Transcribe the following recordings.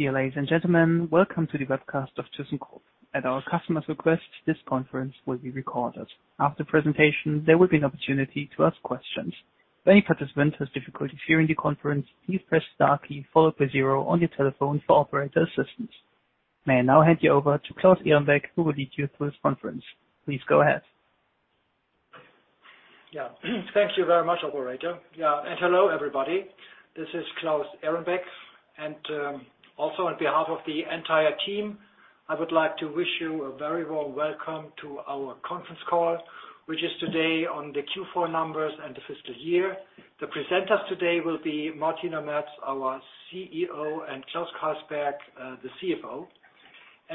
Dear ladies and gentlemen, welcome to the webcast of thyssenkrupp. At our customer's request, this conference will be recorded. After presentation, there will be an opportunity to ask questions. If any participant has difficulty hearing the conference, please press star key followed by zero on your telephone for operator assistance. May I now hand you over to Claus Ehrenbeck, who will lead you through this conference. Please go ahead. Yeah. Thank you very much, operator. Yeah. Hello, everybody. This is Claus Ehrenbeck. Also on behalf of the entire team, I would like to wish you a very warm welcome to our conference call, which is today on the Q4 numbers and the fiscal year. The presenters today will be Martina Merz, our CEO, and Klaus Keysberg, the CFO.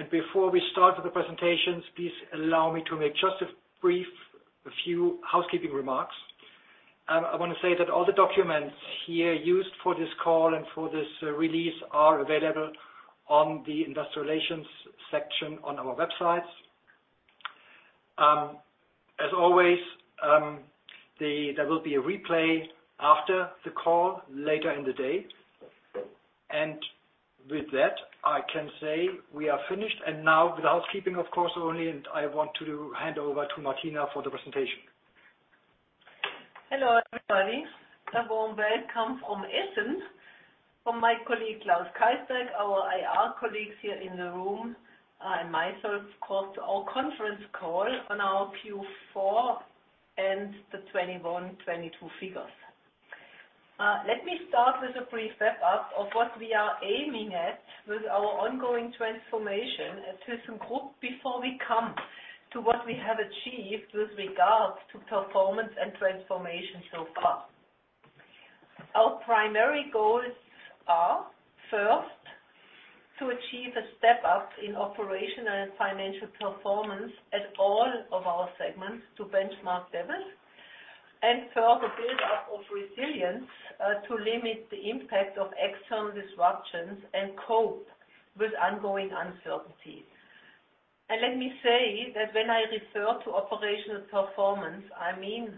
Before we start with the presentations, please allow me to make just a few housekeeping remarks. I wanna say that all the documents here used for this call and for this release are available on the industrial relations section on our website. As always, there will be a replay after the call later in the day. With that, I can say we are finished. Now with the housekeeping, of course only, and I want to hand over to Martina for the presentation. Hello, everybody. A warm welcome from Essen. From my colleague, Klaus Keysberg, our IR colleagues here in the room, and myself to our conference call on our Q4 and the 2021-2022 figures. Let me start with a brief step up of what we are aiming at with our ongoing transformation at thyssenkrupp before we come to what we have achieved with regards to performance and transformation so far. Our primary goals are, first, to achieve a step up in operational and financial performance at all of our segments to benchmark levels. Further build up of resilience to limit the impact of external disruptions and cope with ongoing uncertainties. Let me say that when I refer to operational performance, I mean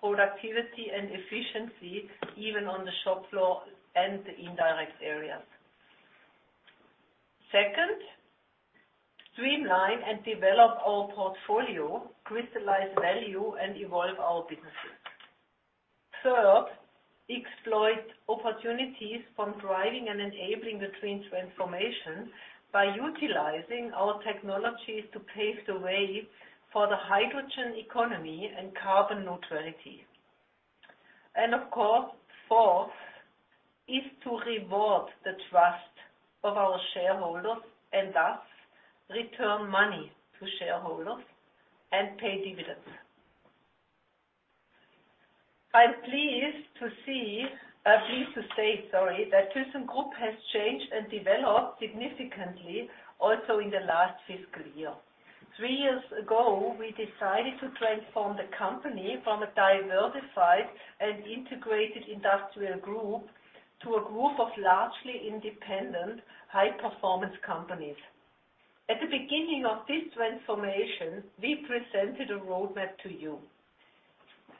productivity and efficiency, even on the shop floor and the indirect areas. Second, streamline and develop our portfolio, crystallize value, and evolve our businesses. Third, exploit opportunities from driving and enabling the twin transformation by utilizing our technologies to pave the way for the hydrogen economy and carbon neutrality. Of course, fourth is to reward the trust of our shareholders, and thus return money to shareholders and pay dividends. I'm pleased to say, sorry, that thyssenkrupp has changed and developed significantly also in the last fiscal year. Three years ago, we decided to transform the company from a diversified and integrated industrial group to a group of largely independent, high-performance companies. At the beginning of this transformation, we presented a roadmap to you.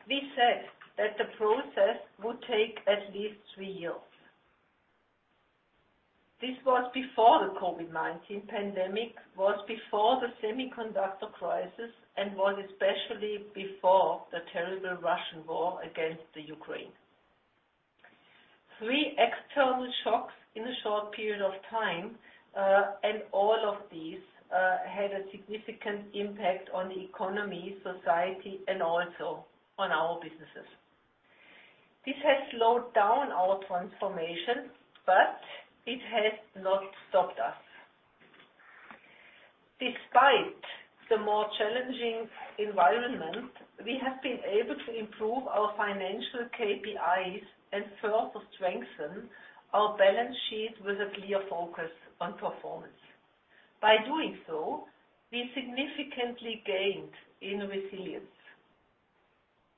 We said that the process would take at least three years. This was before the COVID-19 pandemic, was before the semiconductor crisis, and was especially before the terrible Russian war against the Ukraine. Three external shocks in a short period of time, and all of these had a significant impact on the economy, society, and also on our businesses. This has slowed down our transformation, but it has not stopped us. Despite the more challenging environment, we have been able to improve our financial KPIs and further strengthen our balance sheet with a clear focus on performance. By doing so, we significantly gained in resilience.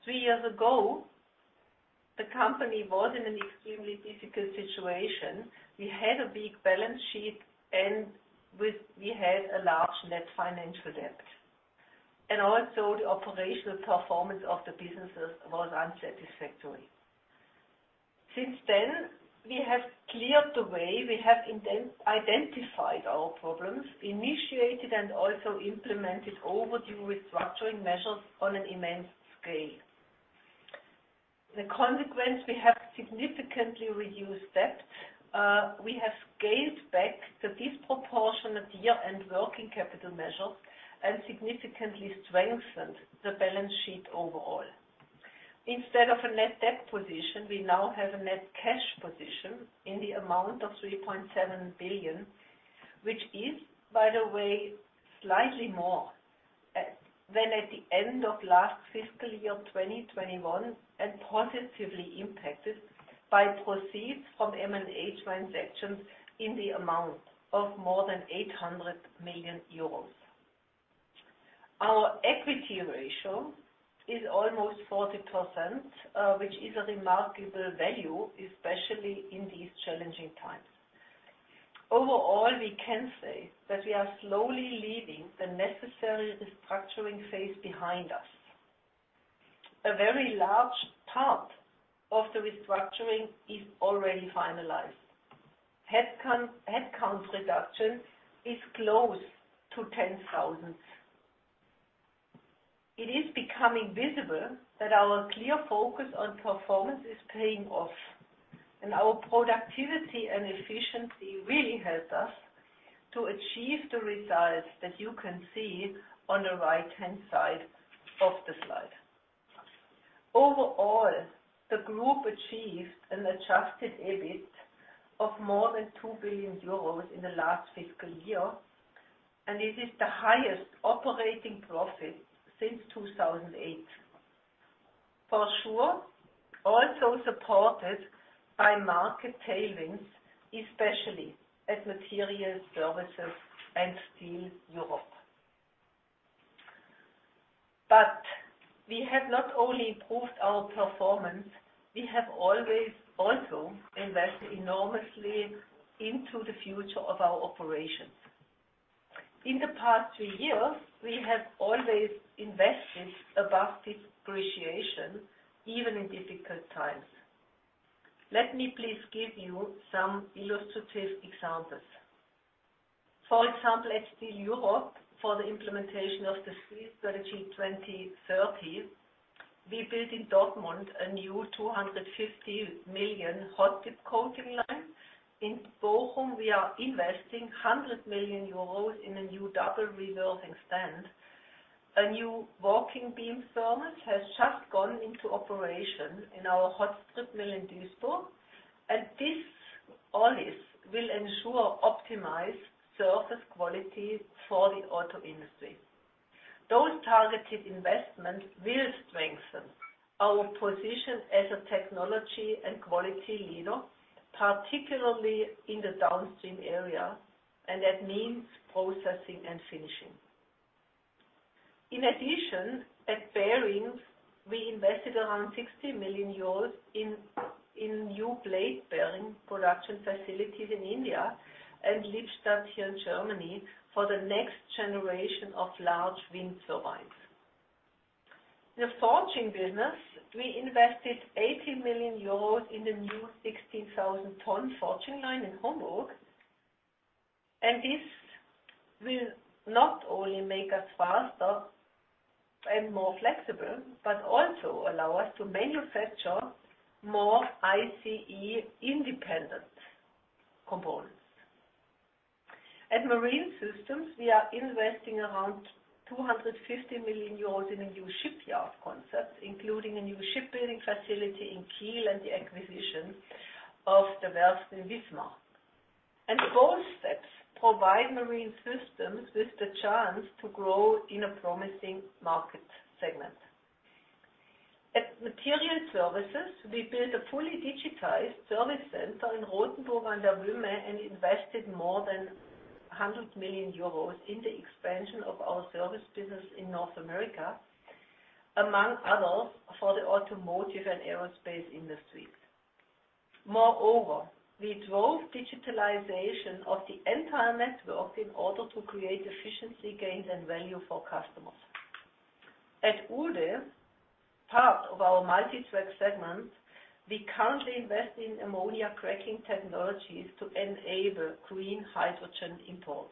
Three years ago, the company was in an extremely difficult situation. We had a big balance sheet. We had a large net financial debt. Also the operational performance of the businesses was unsatisfactory. Since then, we have cleared the way. We have identified our problems, initiated and also implemented overdue restructuring measures on an immense scale. The consequence, we have significantly reduced debt. We have scaled back the disproportionate year-end working capital measures and significantly strengthened the balance sheet overall. Instead of a net debt position, we now have a net cash position in the amount of 3.7 billion, which is, by the way, slightly more than at the end of last fiscal year, 2020-2021, and positively impacted by proceeds from M&A transactions in the amount of more than 800 million euros. Our equity ratio is almost 40%, which is a remarkable value, especially in these challenging times. Overall, we can say that we are slowly leaving the necessary restructuring phase behind us. A very large part of the restructuring is already finalized. Headcount reduction is close to 10,000. It is becoming visible that our clear focus on performance is paying off, and our productivity and efficiency really helped us to achieve the results that you can see on the right-hand side of the slide. Overall, the group achieved an adjusted EBIT of more than 2 billion euros in the last fiscal year, and it is the highest operating profit since 2008. For sure, also supported by market tailwinds, especially at Materials Services and Steel Europe. We have not only improved our performance, we have always also invested enormously into the future of our operations. In the past three years, we have always invested above depreciation, even in difficult times. Let me please give you some illustrative examples. For example, at Steel Europe, for the implementation of the Steel Strategy 20-30, we built in Dortmund a new 250 million hot-dip coating line. In Bochum, we are investing 100 million euros in a new double reversing stand. A new walking beam furnace has just gone into operation in our hot-strip mill in Duisburg, and this all will ensure optimized surface quality for the auto industry. Those targeted investments will strengthen our position as a technology and quality leader, particularly in the downstream area, and that means processing and finishing. In addition, at Bearings, we invested around 60 million euros in new blade bearing production facilities in India and Lippstadt here in Germany for the next generation of large wind turbines. The forging business, we invested 80 million euros in a new 60,000 ton forging line in Homburg, and this will not only make us faster and more flexible, but also allow us to manufacture more ICE independent components. At Marine Systems, we are investing around 250 million euros in a new shipyard concept, including a new shipbuilding facility in Kiel and the acquisition of the MV Werften Wismar. Both steps provide Marine Systems with the chance to grow in a promising market segment. At Materials Services, we built a fully digitized service center in Rotenburg Wümme and invested more than 100 million euros in the expansion of our service business in North America, among others, for the automotive and aerospace industries. Moreover, we drove digitalization of the entire network in order to create efficiency gains and value for customers. At Uhde, part of our Multi Tracks segment, we currently invest in ammonia cracking technologies to enable green hydrogen import.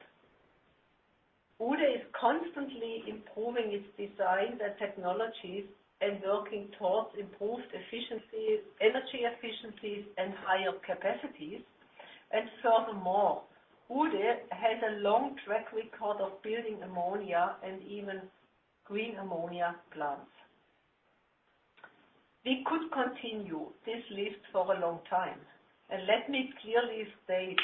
Uhde is constantly improving its designs and technologies and working towards improved efficiency, energy efficiencies, and higher capacities. Furthermore, Uhde has a long track record of building ammonia and even green ammonia plants. We could continue this list for a long time, and let me clearly state,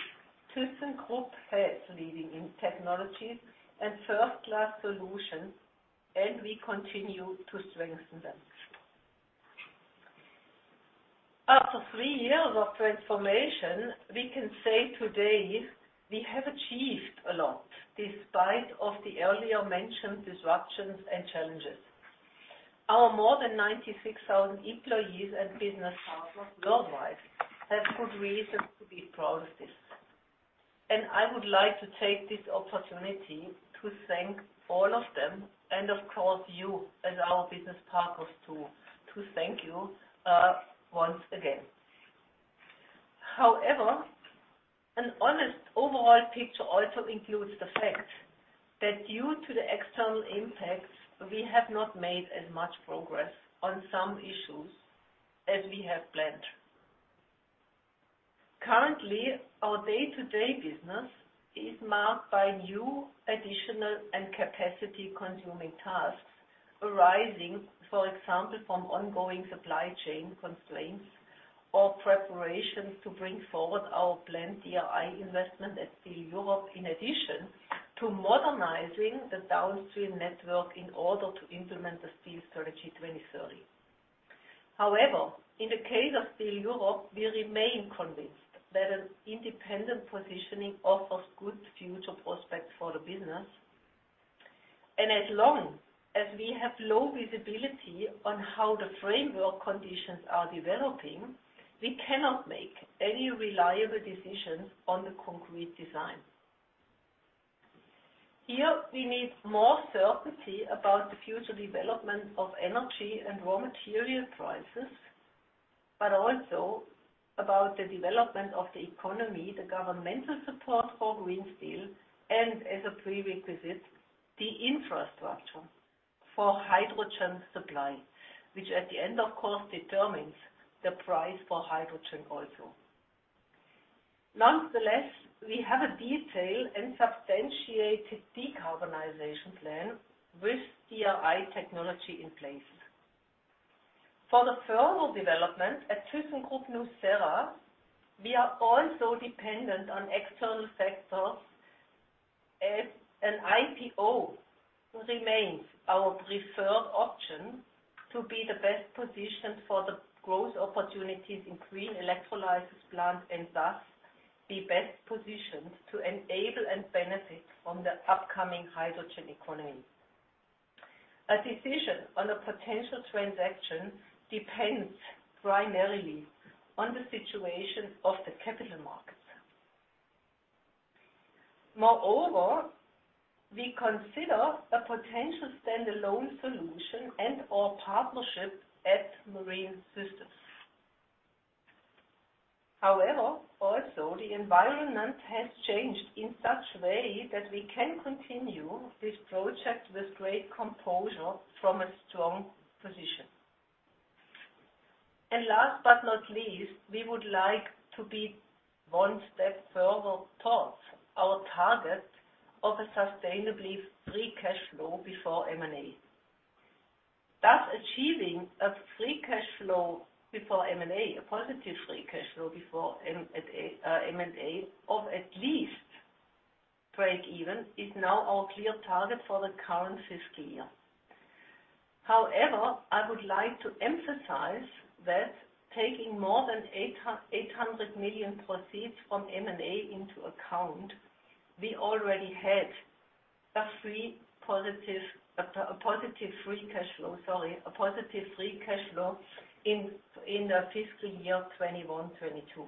thyssenkrupp has leading in technology and first-class solutions, and we continue to strengthen them. After three years of transformation, we can say today we have achieved a lot despite of the earlier-mentioned disruptions and challenges. Our more than 96,000 employees and business partners worldwide have good reason to be proud of this, and I would like to take this opportunity to thank all of them, and of course, you as our business partners too, to thank you once again. However, an honest overall picture also includes the fact that due to the external impacts, we have not made as much progress on some issues as we had planned. Currently, our day-to-day business is marked by new, additional and capacity-consuming tasks arising, for example, from ongoing supply chain constraints or preparations to bring forward our planned DRI investment at Steel Europe, in addition to modernizing the downstream network in order to implement the Steel Strategy 20-30. However, in the case of Steel Europe, we remain convinced that an independent positioning offers good future prospects for the business. As long as we have low visibility on how the framework conditions are developing, we cannot make any reliable decisions on the concrete design. Here we need more certainty about the future development of energy and raw material prices, but also about the development of the economy, the governmental support for green steel, and as a prerequisite, the infrastructure for hydrogen supply, which at the end, of course, determines the price for hydrogen also. Nonetheless, we have a detailed and substantiated decarbonization plan with DRI technology in place. For the further development at thyssenkrupp nucera, we are also dependent on external factors as an IPO remains our preferred option to be the best positioned for the growth opportunities in green electrolysis plants, and thus be best positioned to enable and benefit from the upcoming hydrogen economy. A decision on a potential transaction depends primarily on the situation of the capital markets. Moreover, we consider a potential stand-alone solution and/or partnership at Marine Systems. However, also the environment has changed in such way that we can continue this project with great composure from a strong position. Last but not least, we would like to be one step further towards our target of a sustainably free cash flow before M&A. Thus achieving a positive free cash flow before M&A of at least breakeven is now our clear target for the current fiscal year. However, I would like to emphasize that taking more than 800 million proceeds from M&A into account, we already had a positive free cash flow in the fiscal year 2021-2022.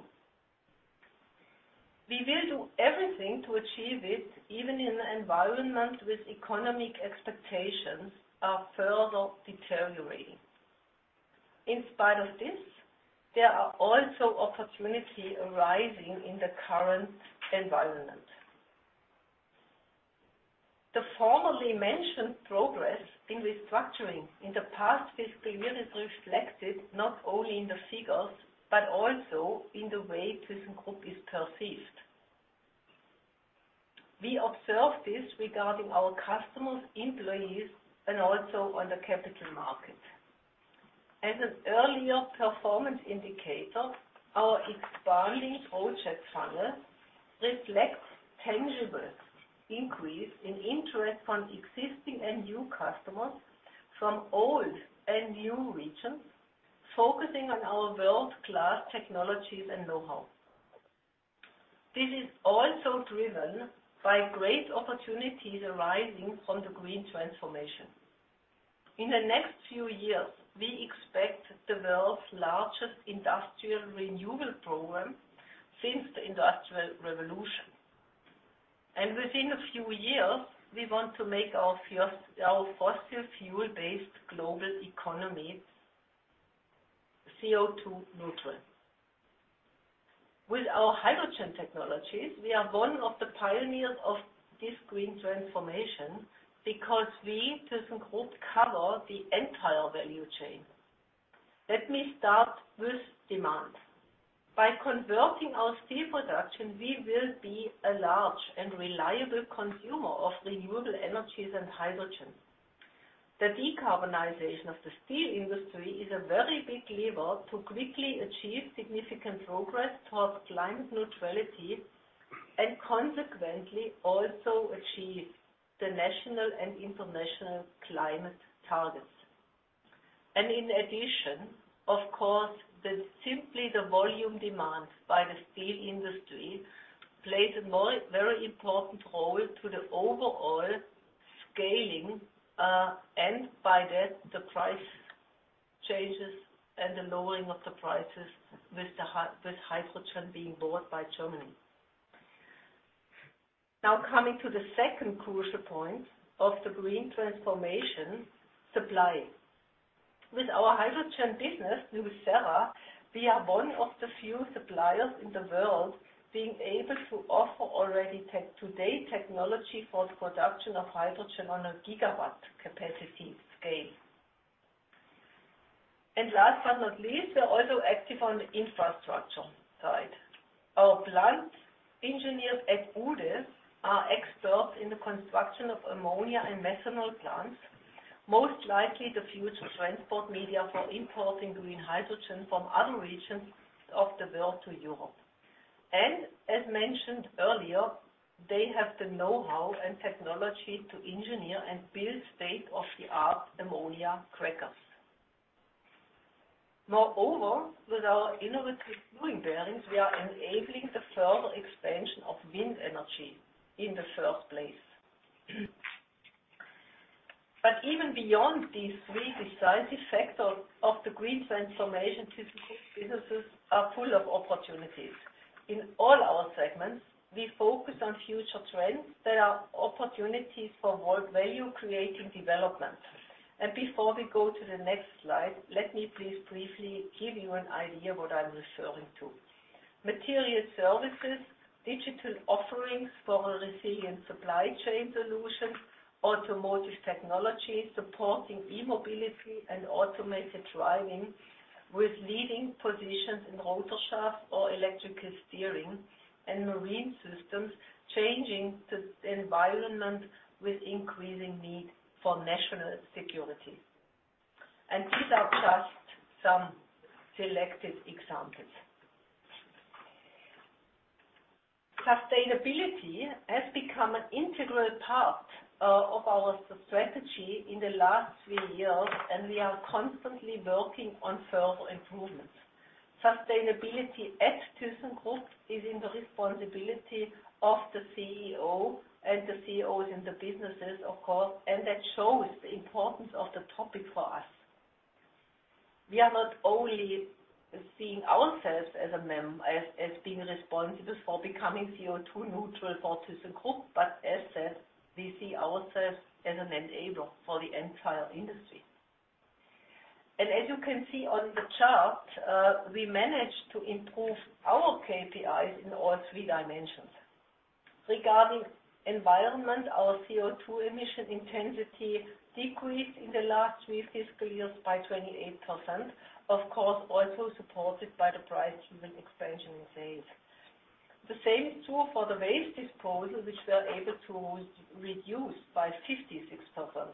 We will do everything to achieve it, even in an environment where economic expectations are further deteriorating. In spite of this, there are also opportunities arising in the current environment. The formerly mentioned progress in restructuring in the past fiscal year is reflected not only in the figures, but also in the way thyssenkrupp is perceived. We observe this regarding our customers, employees, and also on the capital market. As an earlier performance indicator, our expanding order funnel reflects tangible increase in interest from existing and new customers from old and new regions, focusing on our world-class technologies and know-how. This is also driven by great opportunities arising from the green transformation. In the next few years, we expect the world's largest industrial renewal program since the Industrial Revolution. Within a few years, we want to make our fossil fuel-based. With our hydrogen technologies, we are one of the pioneers of this green transformation because we, thyssenkrupp, cover the entire value chain. Let me start with demand. By converting our steel production, we will be a large and reliable consumer of renewable energies and hydrogen. The decarbonization of the steel industry is a very big lever to quickly achieve significant progress towards climate neutrality and consequently also achieve the national and international climate targets. In addition, of course, simply the volume demand by the steel industry plays a very important role to the overall scaling, and by that, the price changes and the lowering of the prices with hydrogen being bought by Germany. Now coming to the second crucial point of the green transformation, supply. With our hydrogen business, nucera, we are one of the few suppliers in the world being able to offer already today technology for the production of hydrogen on a gigawatt capacity scale. Last but not least, we're also active on the Infrastructure side. Our plant engineers at Uhde are experts in the construction of ammonia and methanol plants, most likely the future transport media for importing green hydrogen from other regions of the world to Europe. As mentioned earlier, they have the know-how and technology to engineer and build state-of-the-art ammonia crackers. Moreover, with our innovative bearings, we are enabling the further expansion of wind energy in the first place. Even beyond these three decisive factors of the green transformation, thyssenkrupp businesses are full of opportunities. In all our segments, we focus on future trends that are opportunities for more value-creating development. Before we go to the next slide, let me please briefly give you an idea what I'm referring to. Materials Services, digital offerings for a resilient supply chain solution, Automotive Technology supporting e-mobility and automated driving with leading positions in rotor shaft or electrical steering and Marine Systems changing the environment with increasing need for national security. These are just some selected examples. Sustainability has become an integral part of our strategy in the last three years, and we are constantly working on further improvements. Sustainability at thyssenkrupp is in the responsibility of the CEO and the CEOs in the businesses, of course, and that shows the importance of the topic for us. We are not only seeing ourselves as being responsible for becoming CO₂ neutral for thyssenkrupp, but as said, we see ourselves as an enabler for the entire industry. As you can see on the chart, we managed to improve our KPIs in all three dimensions. Regarding environment, our CO₂ emission intensity decreased in the last three fiscal years by 28%, of course, also supported by the Bruckhausen expansion phase. The same is true for the waste disposal, which we are able to reduce by 56%.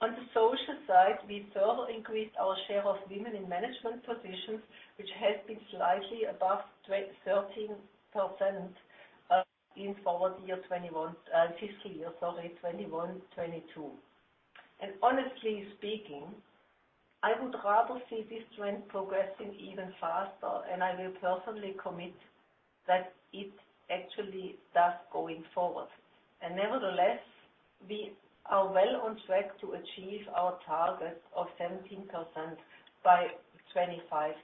On the social side, we further increased our share of women in management positions, which has been slightly above 13% in fiscal year 2021-2022. Honestly speaking, I would rather see this trend progressing even faster, and I will personally commit that it actually does going forward. Nevertheless, we are well on track to achieve our target of 17% by 2025-2026.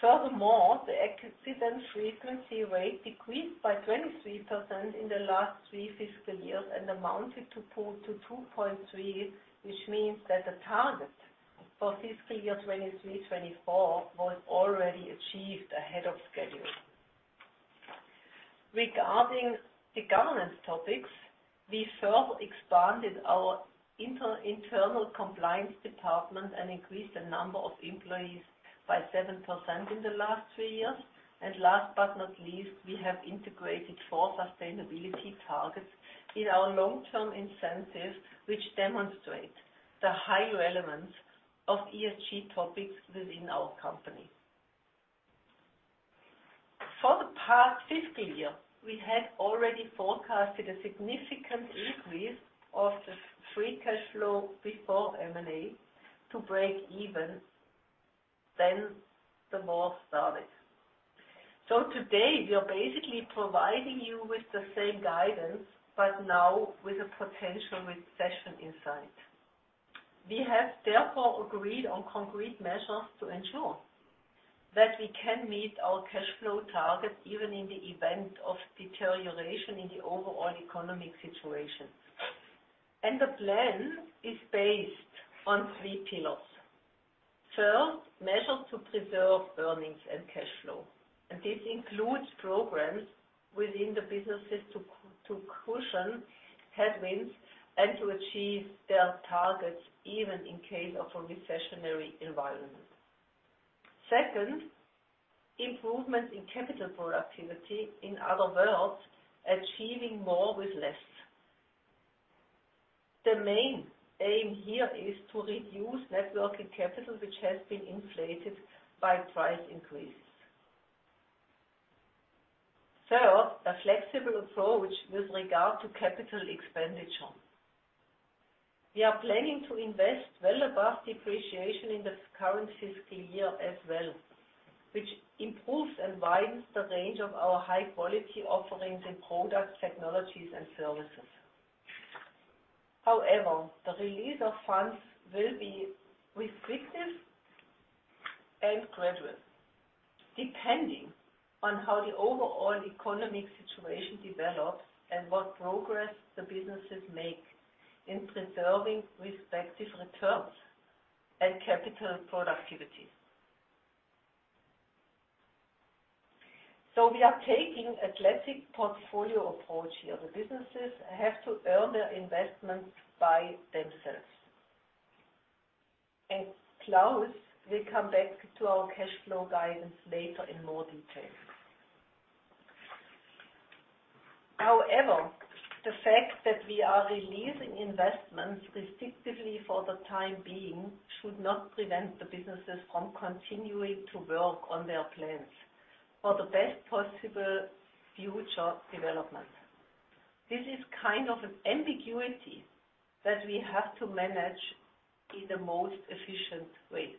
Furthermore, the accident frequency rate decreased by 23% in the last three fiscal years and amounted to 2.3, which means that the target for fiscal year 2023-2024 was already achieved ahead of schedule. Regarding the governance topics, we further expanded our internal compliance department and increased the number of employees by 7% in the last three years. Last but not least, we have integrated four sustainability targets in our long-term incentives, which demonstrate the high relevance of ESG topics within our company. For the past fiscal year, we had already forecasted a significant increase of the free cash flow before M&A to break even. The war started. Today, we are basically providing you with the same guidance, but now with a potential recession in sight. We have therefore agreed on concrete measures to ensure that we can meet our cash flow targets even in the event of deterioration in the overall economic situation. The plan is based on three pillars. First, measures to preserve earnings and cash flow. This includes programs within the businesses to cushion headwinds and to achieve their targets, even in case of a recessionary environment. Second, improvement in capital productivity, in other words, achieving more with less. The main aim here is to reduce net working capital, which has been inflated by price increases. Third, a flexible approach with regard to capital expenditure. We are planning to invest well above depreciation in the current fiscal year as well, which improves and widens the range of our high-quality offerings in product technologies and services. However, the release of funds will be restrictive and gradual, depending on how the overall economic situation develops and what progress the businesses make in preserving respective returns and capital productivity. We are taking a classic portfolio approach here. The businesses have to earn their investment by themselves. Klaus will come back to our cash flow guidance later in more detail. However, the fact that we are releasing investments restrictively for the time being should not prevent the businesses from continuing to work on their plans for the best possible future development. This is kind of an ambiguity that we have to manage in the most efficient way.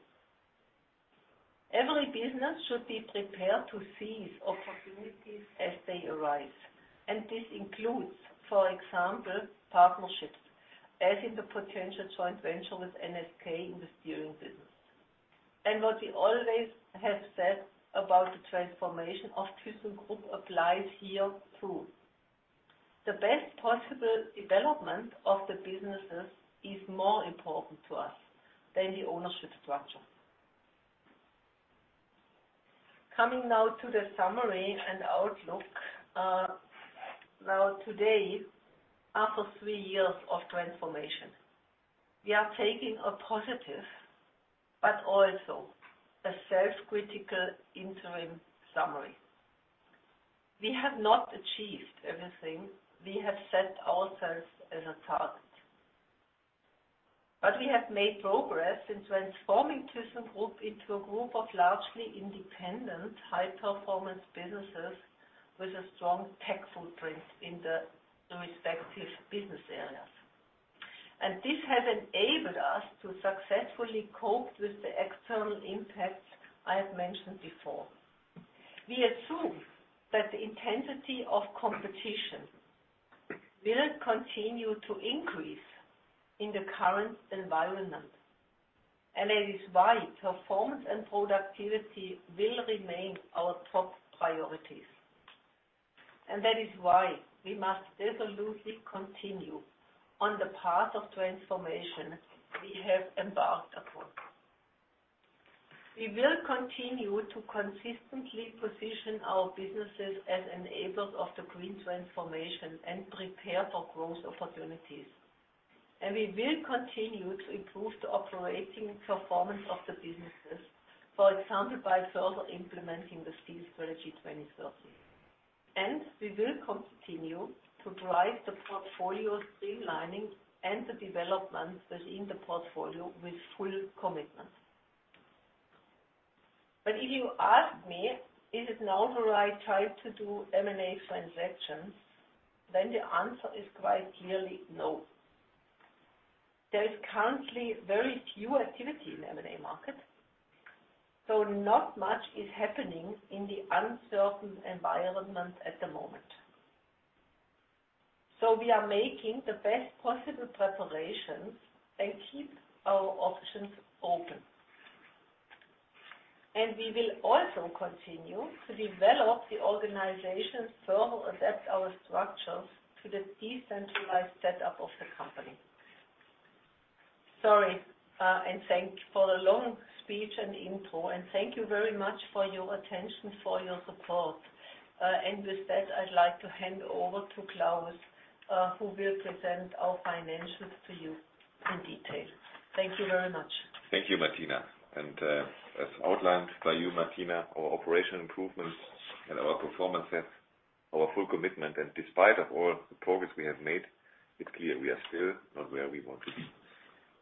Every business should be prepared to seize opportunities as they arise. This includes, for example, partnerships, as in the potential joint venture with NSK in the steering business. What we always have said about the transformation of thyssenkrupp applies here too. The best possible development of the businesses is more important to us than the ownership structure. Coming now to the summary and outlook. Now today, after three years of transformation, we are taking a positive but also a self-critical interim summary. We have not achieved everything we have set ourselves as a target, but we have made progress in transforming thyssenkrupp into a group of largely independent, high-performance businesses with a strong tech footprint in the respective business areas. This has enabled us to successfully cope with the external impacts I have mentioned before. We assume that the intensity of competition will continue to increase in the current environment, and that is why performance and productivity will remain our top priorities. That is why we must resolutely continue on the path of transformation we have embarked upon. We will continue to consistently position our businesses as enablers of the green transformation and prepare for growth opportunities. We will continue to improve the operating performance of the businesses, for example, by further implementing the Steel Strategy 20-30. We will continue to drive the portfolio streamlining and the developments within the portfolio with full commitment. If you ask me, "Is it now the right time to do M&A transactions?" the answer is quite clearly no. There is currently very few activity in M&A market, so not much is happening in the uncertain environment at the moment. We are making the best possible preparations and keep our options open. And we will also continue to develop the organization, further adapt our structures to the decentralized setup of the company. Sorry, uh, and thank for the long speech and intro, and thank you very much for your attention, for your support. Uh, and with that, I'd like to hand over to Klaus, uh, who will present our financials to you in detail. Thank you very much. Thank you, Martina. As outlined by you, Martina, our operational improvements and our performance have our full commitment. Despite of all the progress we have made, it's clear we are still not where we want to be.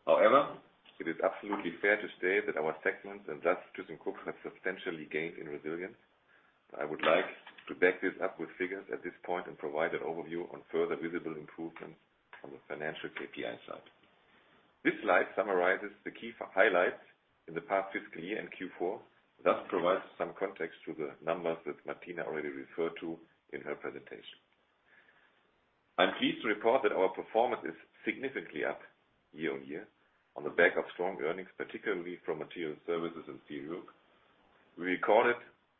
However, it is absolutely fair to say that our segments and thus thyssenkrupp have substantially gained in resilience. I would like to back this up with figures at this point and provide an overview on further visible improvements on the financial KPI side. This slide summarizes the key highlights in the past fiscal year and Q4, thus provides some context to the numbers that Martina already referred to in her presentation. I'm pleased to report that our performance is significantly up year-on-year on the back of strong earnings, particularly from Materials Services and Steel Europe. We recorded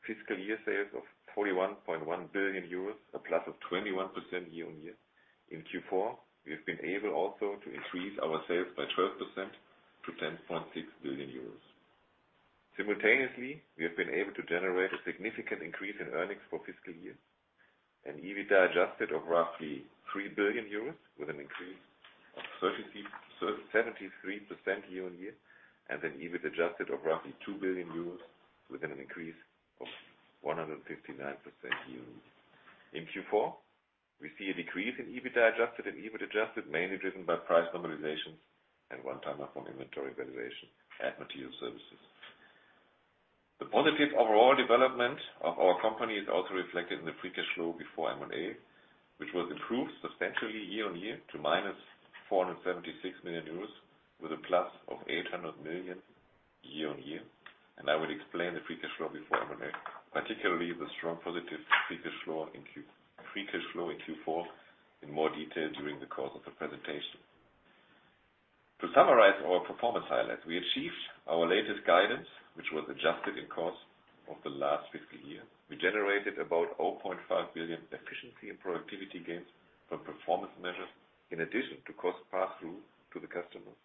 fiscal year sales of 41.1 billion euros, a plus of 21% year-on-year. In Q4, we've been able also to increase our sales by 12% to 10.6 billion euros. Simultaneously, we have been able to generate a significant increase in earnings for fiscal year. An EBITDA adjusted of roughly 3 billion euros with an increase of 73% year-on-year, and an EBIT adjusted of roughly 2 billion euros with an increase of 159% year-on-year. In Q4, we see a decrease in EBITDA adjusted and EBIT adjusted, mainly driven by price normalizations and one-timer from inventory valuation at Materials Services. The positive overall development of our company is also reflected in the free cash flow before M&A, which was improved substantially year-on-year to -476 million euros with a plus of 800 million year-on-year. I will explain the free cash flow before M&A, particularly the strong positive free cash flow in Q4 in more detail during the course of the presentation. To summarize our performance highlights, we achieved our latest guidance, which was adjusted in course of the last fiscal year. We generated about 0.5 billion efficiency and productivity gains from performance measures in addition to cost pass-through to the customers.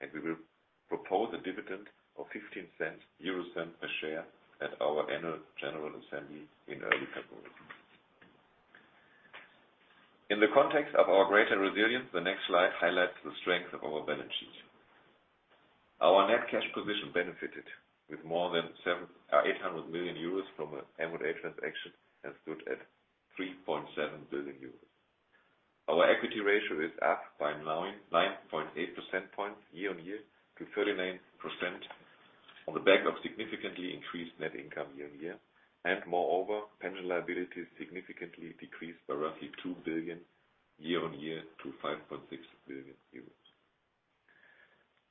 We will propose a dividend of 0.15 a share at our annual general assembly in early February. In the context of our greater resilience, the next slide highlights the strength of our balance sheet. Our net cash position benefited with more than 800 million euros from an M&A transaction and stood at 3.7 billion euros. Our equity ratio is up by 9.8 percentage points year-over-year to 39% on the back of significantly increased net income year-over-year, and moreover, pension liability significantly decreased by roughly 2 billion year-over-year to 5.6 billion euros.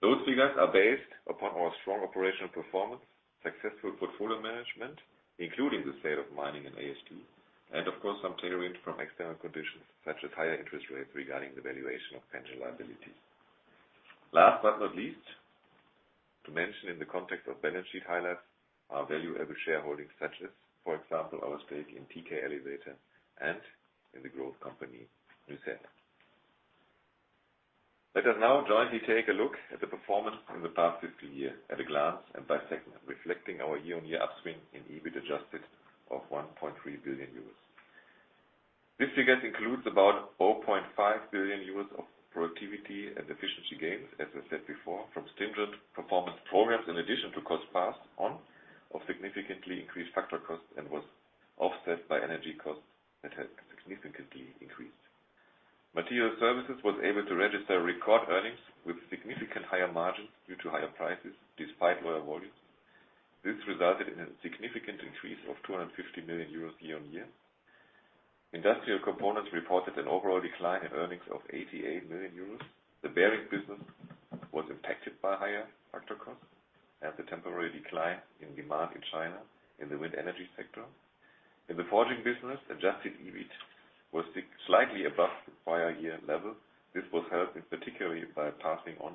Those figures are based upon our strong operational performance, successful portfolio management, including the sale of Mining and ASD, and of course, some tailwinds from external conditions such as higher interest rates regarding the valuation of pension liability. Last but not least, to mention in the context of balance sheet highlights, our valuable shareholdings, such as, for example, our stake in TK Elevator and in the growth company, nucera. Let us now jointly take a look at the performance from the past fiscal year at a glance and by segment, reflecting our year-over-year upswing in EBIT adjusted of 1.3 billion euros. These figures includes about 4.5 billion euros of productivity and efficiency gains, as I said before, from stringent performance programs in addition to cost pass on of significantly increased factor cost and was offset by energy costs that had significantly increased. Materials Services was able to register record earnings with significant higher margins due to higher prices despite lower volumes. This resulted in a significant increase of 250 million euros year-over-year. Industrial Components reported an overall decline in earnings of 88 million euros. The Bearings business was impacted by higher factor cost and the temporary decline in demand in China in the wind energy sector. In the Forging business, adjusted EBIT was slightly above the prior year level. This was helped in particular by passing on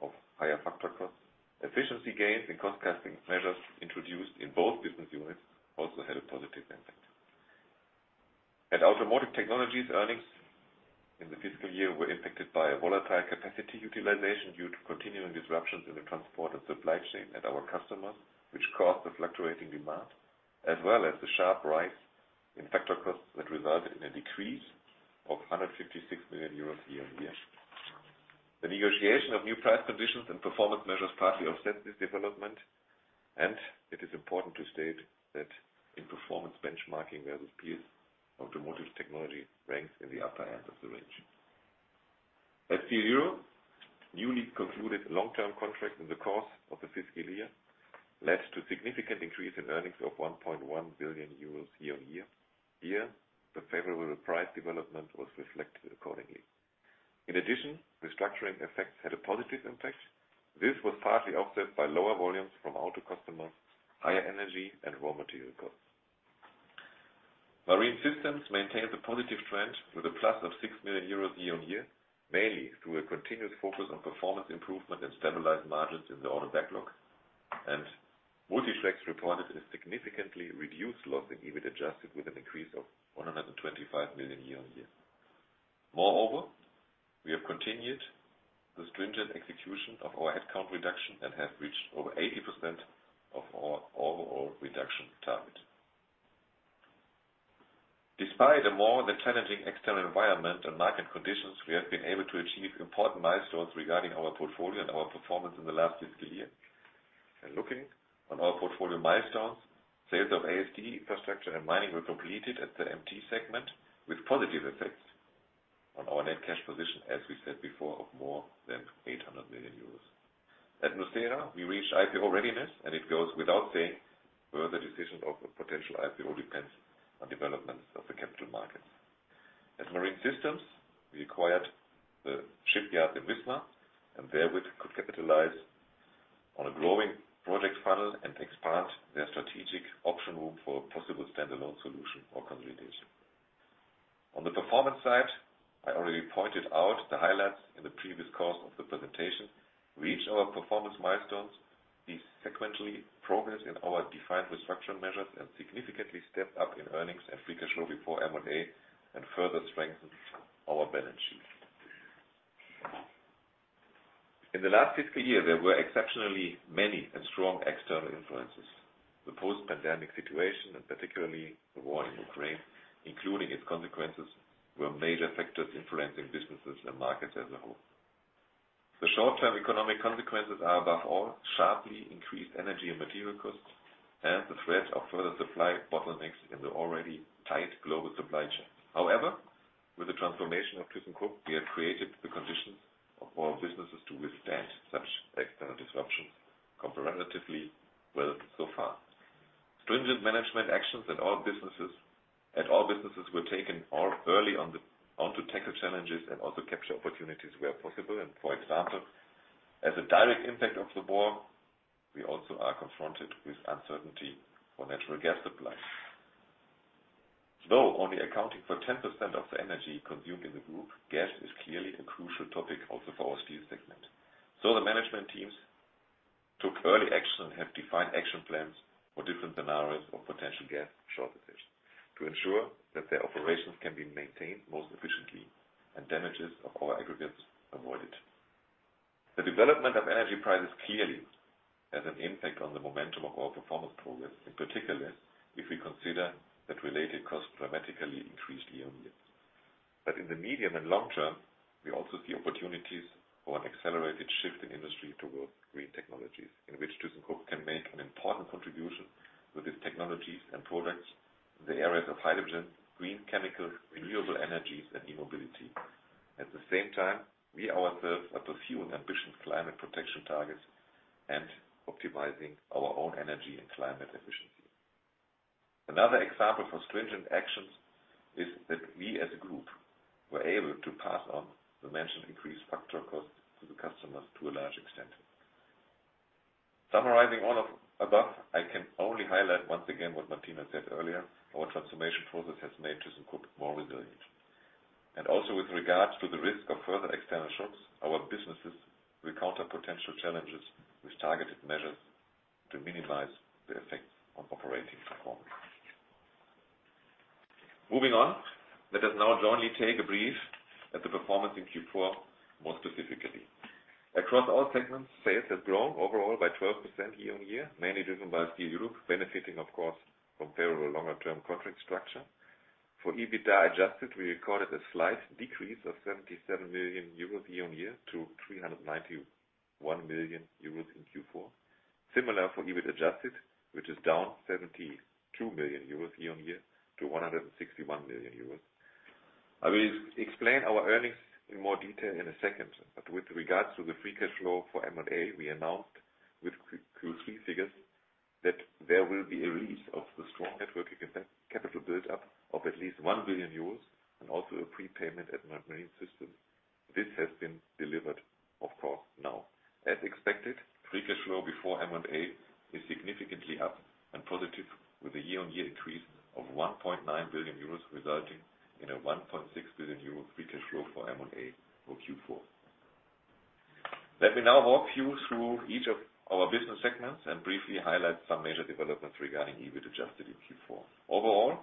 of higher factor costs. Efficiency gains and cost-cutting measures introduced in both business units also had a positive impact. At Automotive Technology, earnings in the fiscal year were impacted by a volatile capacity utilization due to continuing disruptions in the transport and supply chain at our customers, which caused the fluctuating demand, as well as the sharp rise in factor costs that resulted in a decrease of 156 million euros year-on-year. The negotiation of new price conditions and performance measures partly offset this development, and it is important to state that in performance benchmarking as a piece, Automotive Technology ranks in the upper end of the range. At Steel Europe, newly concluded long-term contract in the course of the fiscal year led to significant increase in earnings of 1.1 billion euros year-on-year. Here, the favorable price development was reflected accordingly. In addition, restructuring effects had a positive impact. This was partly offset by lower volumes from auto customers, higher energy and raw material costs. Marine Systems maintains a positive trend with a plus of 6 million euros year-on-year, mainly through a continuous focus on performance improvement and stabilized margins in the order backlog. Multi Tracks reported a significantly reduced loss in EBIT adjusted with an increase of 125 million year-on-year. Moreover, we have continued the stringent execution of our headcount reduction and have reached over 80% of our overall reduction target. Despite a more than challenging external environment and market conditions, we have been able to achieve important milestones regarding our portfolio and our performance in the last fiscal year. Looking on our portfolio milestones, sales of ASD, Infrastructure, and Mining were completed at the MT segment with positive effects on our net cash position, as we said before, of more than 800 million euros. At nucera, we reached IPO readiness, and it goes without saying, further decisions of a potential IPO depends on developments of the capital markets. At Marine Systems, we acquired the shipyard in Wismar, and therewith could capitalize on a growing project funnel and expand their strategic option room for possible standalone solution or consolidation. On the performance side, I already pointed out the highlights in the previous course of the presentation. We reached our performance milestones, these sequentially progress in our defined restructuring measures and significantly stepped up in earnings and free cash flow before M&A and further strengthened our balance sheet. In the last fiscal year, there were exceptionally many and strong external influences. The post-pandemic situation, and particularly the war in Ukraine, including its consequences, were major factors influencing businesses and markets as a whole. The short-term economic consequences are, above all, sharply increased energy and material costs and the threat of further supply bottlenecks in the already tight global supply chain. However, with the transformation of thyssenkrupp, we have created the conditions for our businesses to withstand such external disruptions comparatively well so far. Stringent management actions at all businesses were taken early on to tackle challenges and also capture opportunities where possible. For example, as a direct impact of the war, we also are confronted with uncertainty for natural gas supply. Though only accounting for 10% of the energy consumed in the Group, gas is clearly a crucial topic also for our Steel segment. The management teams took early action and have defined action plans for different scenarios of potential gas shortages to ensure that their operations can be maintained most efficiently and damages of our aggregates avoided. The development of energy prices clearly has an impact on the momentum of our performance progress, in particular, if we consider that related costs dramatically increased year-over-year. In the medium and long term, we also see opportunities for an accelerated shift in industry towards green technologies, in which thyssenkrupp can make an important contribution with its technologies and products, the areas of hydrogen, green chemicals, renewable energies, and e-mobility. At the same time, we ourselves are pursuing ambitious climate protection targets and optimizing our own energy and climate efficiency. Another example for stringent actions is that we as a group were able to pass on the mentioned increased factor costs to the customers to a large extent. Summarizing all of above, I can only highlight once again what Martina said earlier. Our transformation process has made thyssenkrupp more resilient. Also with regards to the risk of further external shocks, our businesses will counter potential challenges with targeted measures to minimize the effect on operating performance. Moving on, let us now jointly take a brief at the performance in Q4, more specifically. Across all segments, sales have grown overall by 12% year-on-year, mainly driven by Steel Europe, benefiting, of course, from favorable longer term contract structure. For EBITDA adjusted, we recorded a slight decrease of 77 million euros year-on-year to 391 million euros in Q4. Similar for EBIT adjusted, which is down 72 million euros year-on-year to 161 million euros. I will explain our earnings in more detail in a second, but with regards to the free cash flow before M&A, we announced with Q3 figures that there will be a release of the strong net working capital build-up of at least 1 billion euros and also a prepayment at Marine Systems. This has been delivered, of course, now. As expected, free cash flow before M&A is significantly up and positive with a year-on-year increase of 1.9 billion euros, resulting in a 1.6 billion euro free cash flow before M&A for Q4. Let me now walk you through each of our business segments and briefly highlight some major developments regarding EBIT adjusted in Q4. Overall,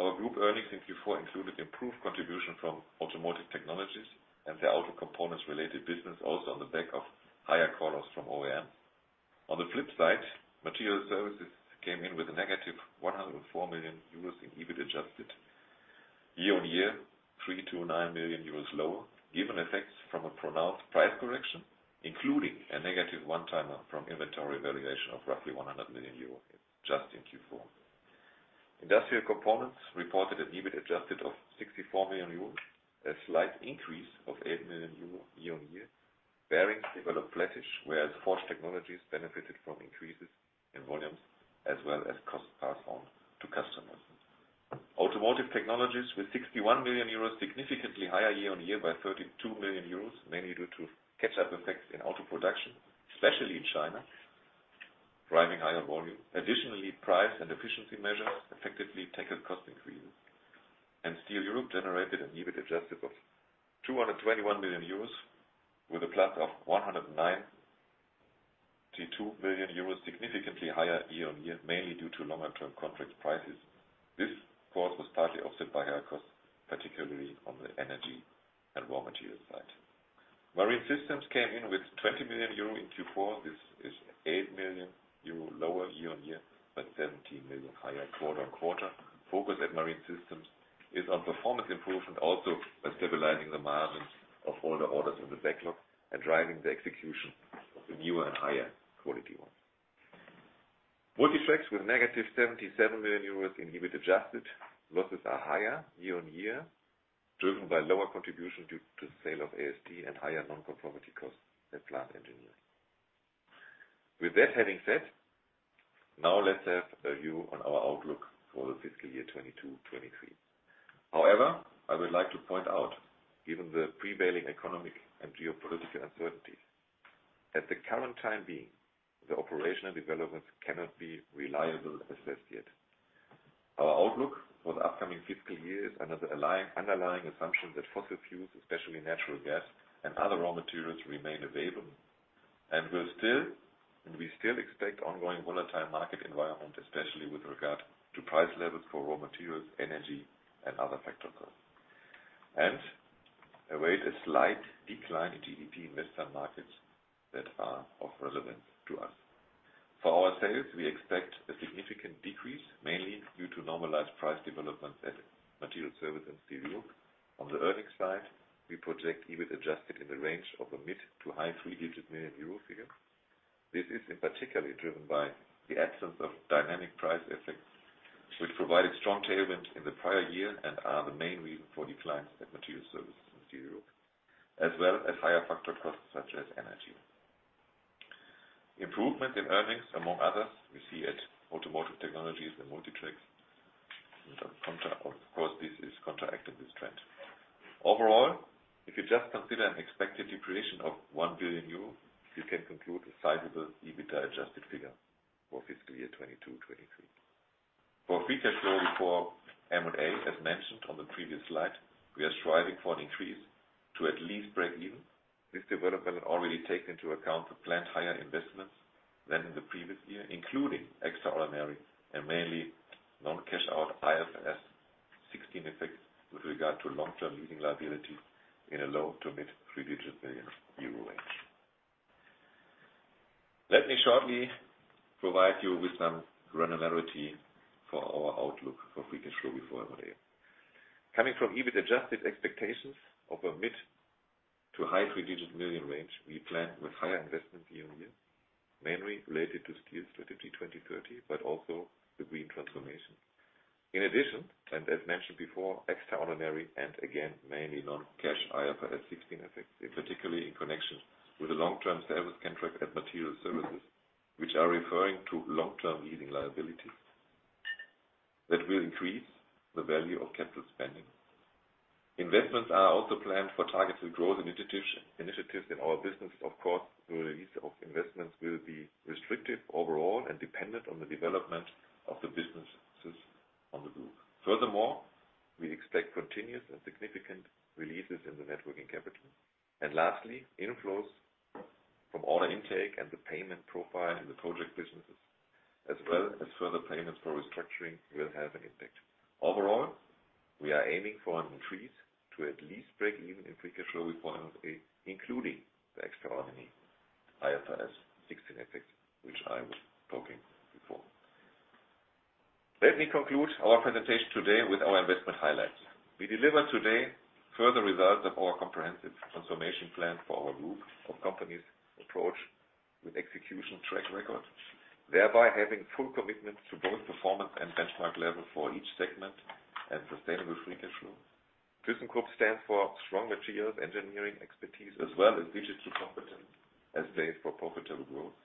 our group earnings in Q4 included improved contribution from Automotive Technology and the automotive components-related business, also on the back of higher call-offs from OEM. On the flip side, Materials Services came in with a negative 104 million euros in EBIT adjusted. Year-on-year, 309 million euros lower, given effects from a pronounced price correction, including a negative one-timer from inventory valuation of roughly 100 million euro, just in Q4. Industrial Components reported an EBIT adjusted of 64 million euro, a slight increase of 8 million euro year-on-year. Bearings developed flattish, whereas Forged Technologies benefited from increases in volumes as well as cost passed on to customers. Automotive Technology with 61 million euros, significantly higher year-on-year by 32 million euros, mainly due to catch-up effects in auto production, especially in China, driving higher volume. Additionally, price and efficiency measures effectively tackled cost increases. Steel Europe generated an EBIT adjusted of 221 million euros with a plus of 192 million euros, significantly higher year-on-year, mainly due to longer-term contract prices. This, of course, was partly offset by higher costs, particularly on the energy and raw material side. Marine Systems came in with 20 million euro in Q4. This is 8 million euro lower year-on-year, but 17 million higher quarter-on-quarter. Focus at Marine Systems is on performance improvement also by stabilizing the management of older orders in the backlog and driving the execution of the newer and higher-quality ones. Multi Tracks with -77 million euros in EBIT adjusted. Losses are higher year-on-year, driven by lower contribution due to sale of ASD and higher non-conformity costs at Plant Engineering. With that having said, now let's have a view on our outlook for the fiscal year 2022-2023. However, I would like to point out, given the prevailing economic and geopolitical uncertainties, at the current time being, the operational developments cannot be reliably assessed yet. Our outlook for the upcoming fiscal year is another underlying assumption that fossil fuels, especially natural gas and other raw materials, remain available. We still expect ongoing volatile market environment, especially with regard to price levels for raw materials, energy, and other factor costs, and await a slight decline in GDP in Western markets that are of relevance to us. For our sales, we expect a significant decrease, mainly due to normalized price developments at Material Services and Steel Europe. On the earnings side, we project EBIT adjusted in the range of a mid-to-high EUR three-digit million figure. This is in particular driven by the absence of dynamic price effects, which provided strong tailwinds in the prior year and are the main reason for declines at Materials Services and Steel Europe, as well as higher factor costs such as energy. Improvement in earnings, among others, we see at Automotive Technology and Multi Tracks. Of course, this is counteracting this trend. Overall, if you just consider an expected depreciation of 1 billion euros, you can conclude a sizable EBIT adjusted figure for fiscal year 2022-2023. For free cash flow before M&A, as mentioned on the previous slide, we are striving for an increase to at least break even. This development already takes into account the planned higher investments than in the previous year, including extraordinary and mainly non-cash-out IFRS 16 effects with regard to long-term leasing liability in a low-to-mid three-digit EUR million range. Let me shortly provide you with some granularity for our outlook for free cash flow before M&A.Coming from EBIT adjusted expectations of a mid to high three-digit million range, we plan with higher investment year-on-year, mainly related to steel strategy 2030, but also the green transformation. In addition, and as mentioned before, extraordinary and again, mainly non-cash IFRS sixteen effects, particularly in connection with the long-term service contract and Material Services, which are referring to long-term leasing liabilities that will increase the value of capital spending. Investments are also planned for targeted growth initiatives in our business. Of course, release of investments will be restrictive overall and dependent on the development of the businesses on the group. Furthermore, we expect continuous and significant releases in the networking capital. Lastly, inflows from order intake and the payment profile in the project businesses as well as further payments for restructuring will have an impact. Overall, we are aiming for an increase to at least break even in free cash flow performance, including the extraordinary IFRS 16 effects, which I was talking before. Let me conclude our presentation today with our investment highlights. We deliver today further results of our comprehensive transformation plan for our group of companies approach with execution track record, thereby having full commitment to both performance and benchmark level for each segment and sustainable free cash flow. thyssenkrupp stands for strong materials engineering expertise as well as digital competence as base for profitable growth.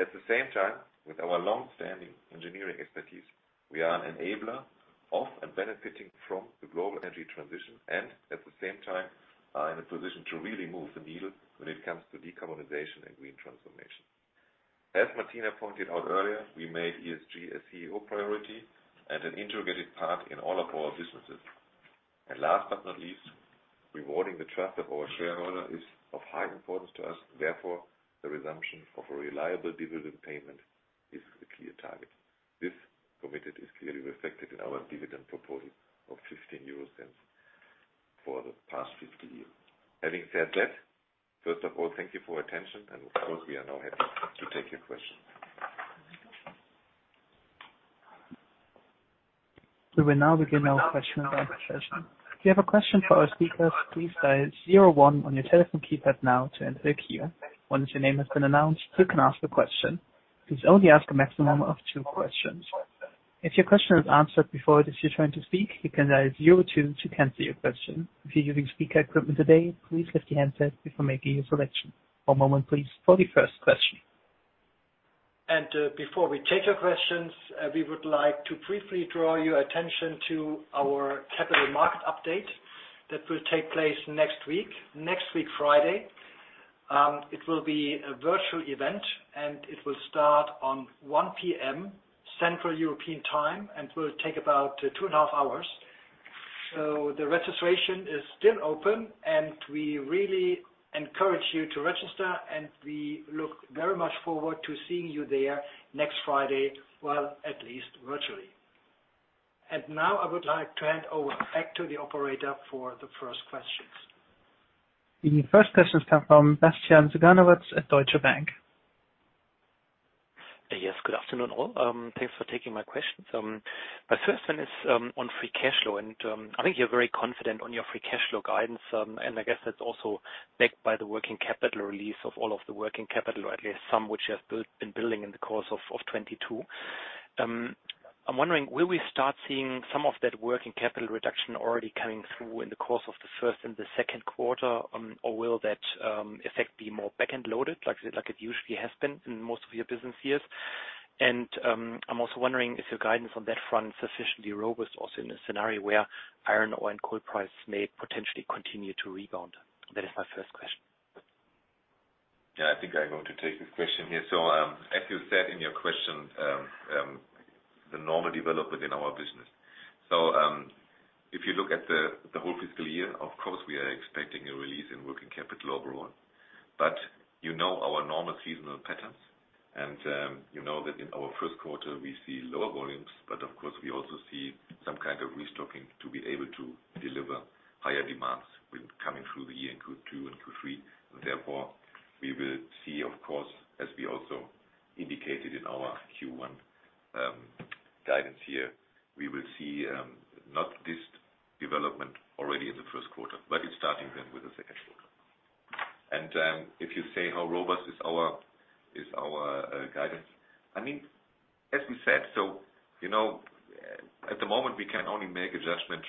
At the same time, with our long-standing engineering expertise, we are an enabler of and benefiting from the global energy transition and at the same time are in a position to really move the needle when it comes to decarbonization and green transformation. As Martina pointed out earlier, we made ESG a CEO priority and an integrated part in all of our businesses. Last but not least, rewarding the trust of our shareholder is of high importance to us. Therefore, the resumption of a reliable dividend payment is the clear target. This commitment is clearly reflected in our dividend proposal of 0.15 for the past fiscal year. Having said that, first of all, thank you for attention and of course, we are now happy to take your questions. We will now begin our Q&A session. If you have a question for our speakers, please dial zero one on your telephone keypad now to enter queue. Once your name has been announced, you can ask a question. Please only ask a maximum of two questions. If your question is answered before it is your turn to speak, you can dial zero two to cancel your question. If you're using speaker equipment today, please lift your handset before making your selection. One moment please for the first question. Before we take your questions, we would like to briefly draw your attention to our Capital Market Update that will take place next week, Friday. It will be a virtual event, and it will start on 1:00 P.M. Central European Time and will take about two and a half hours. The registration is still open, and we really encourage you to register, and we look very much forward to seeing you there next Friday. Well, at least virtually. Now, I would like to hand over back to the operator for the first questions. The first questions come from Bastian Synagowitz at Deutsche Bank. Yes. Good afternoon all. Um, thanks for taking my questions. Um, my first one is, um, on free cash flow and, um, I think you're very confident on your free cash flow guidance. Um, and I guess that's also backed by the working capital release of all of the working capital, at least some which you have been building in the course of 2022. Um, I'm wondering, will we start seeing some of that working capital reduction already coming through in the course of the first and the second quarter, or will that, effect be more back-end loaded like it usually has been in most of your business years? And, um, I'm also wondering is your guidance on that front sufficiently robust also in a scenario where iron, oil, and coal prices may potentially continue to rebound? That is my first question. Yeah, I think I'm going to take this question here. As you said in your question, the normal development in our business. If you look at the whole fiscal year, of course, we are expecting a release in working capital overall. You know our normal seasonal patterns and you know that in our first quarter we see lower volumes, but of course, we also see some kind of restocking to be able to deliver higher demands with coming through the year in Q2 and Q3. We will see of course, as we also indicated in our Q1 guidance here, we will see not this development already in the first quarter, but it's starting then with the second quarter. If you say how robust is our guidance, I mean, as we said, so, you know, at the moment we can only make adjustments.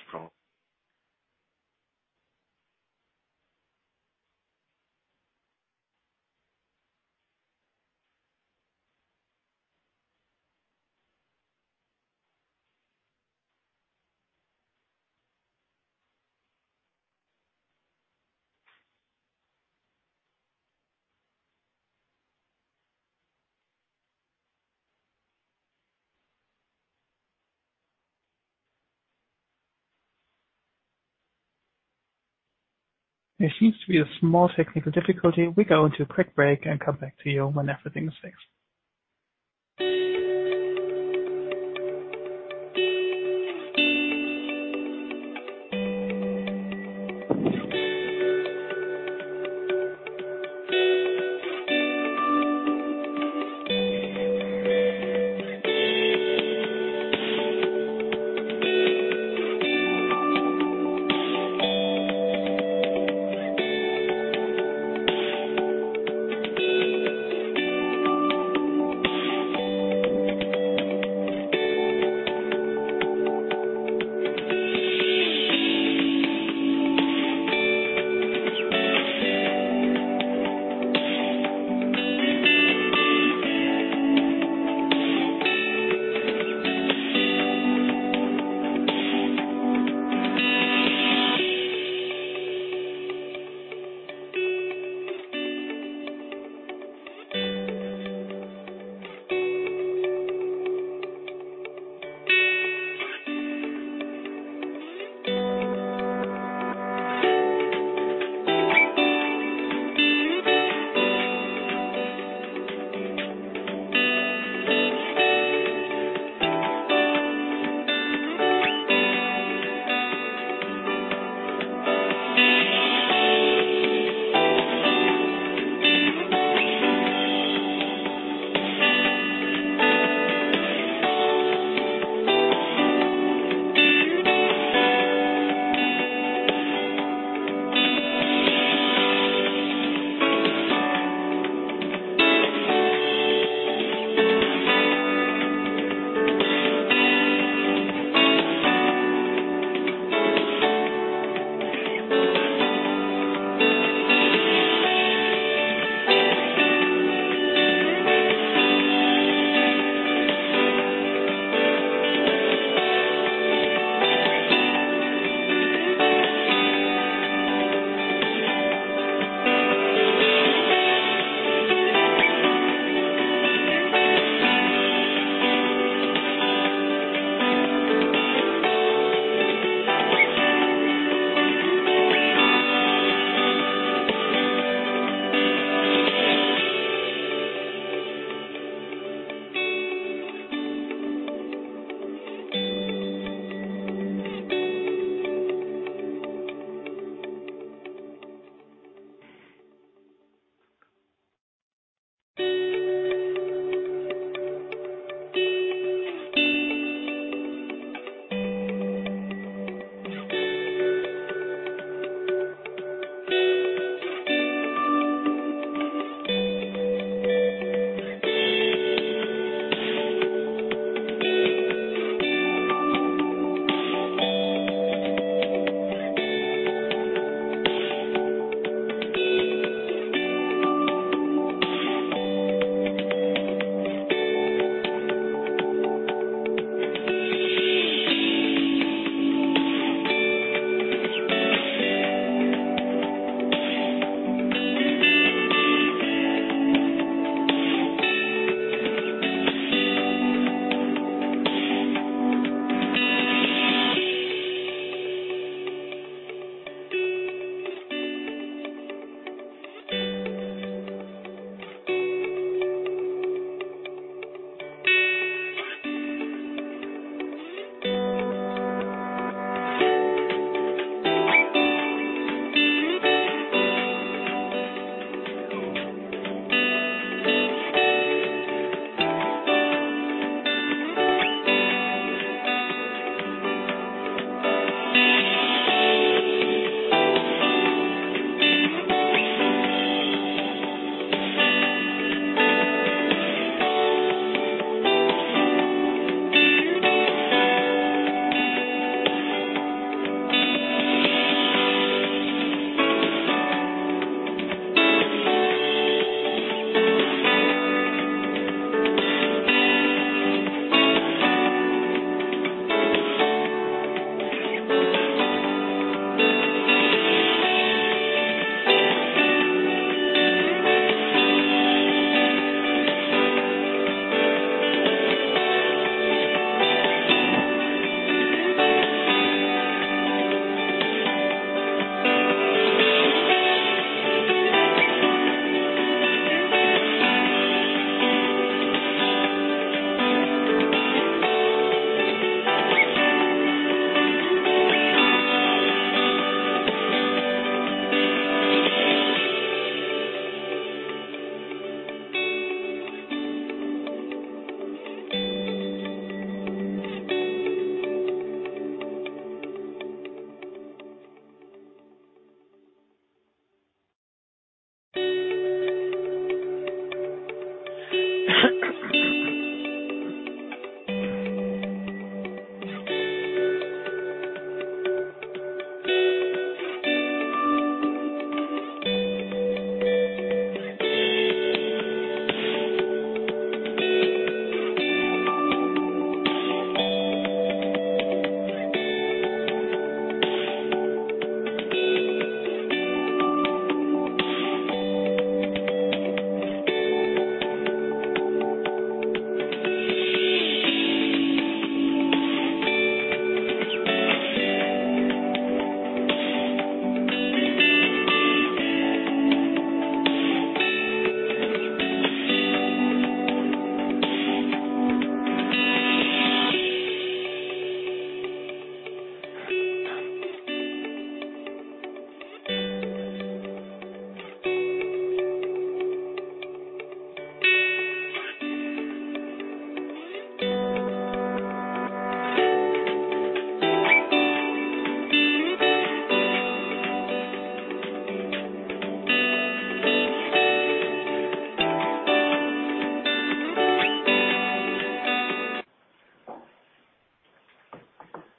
There seems to be a small technical difficulty. We go into a quick break and come back to you when everything is fixed.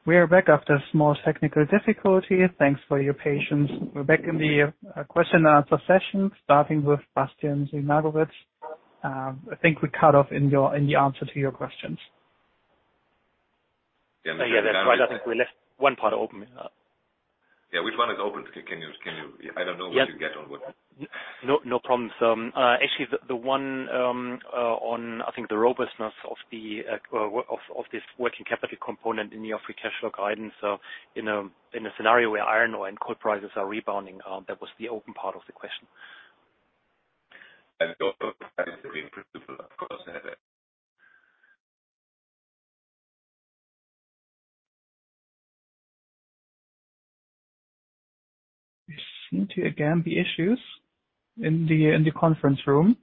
We are back after a small technical difficulty. Thanks for your patience. We're back in the Q&A session, starting with Bastian Synagowitz. I think we cut off in the answer to your questions. Yeah, that's right. I think we left one part open. Yeah, which one is open? I don't know where to get on what. No problems. Actually the one on I think the robustness of this working capital component in your free cash flow guidance. In a scenario where iron ore and coal prices are rebounding, that was the open part of the question. Also of course. There seem to again be issues in the conference room.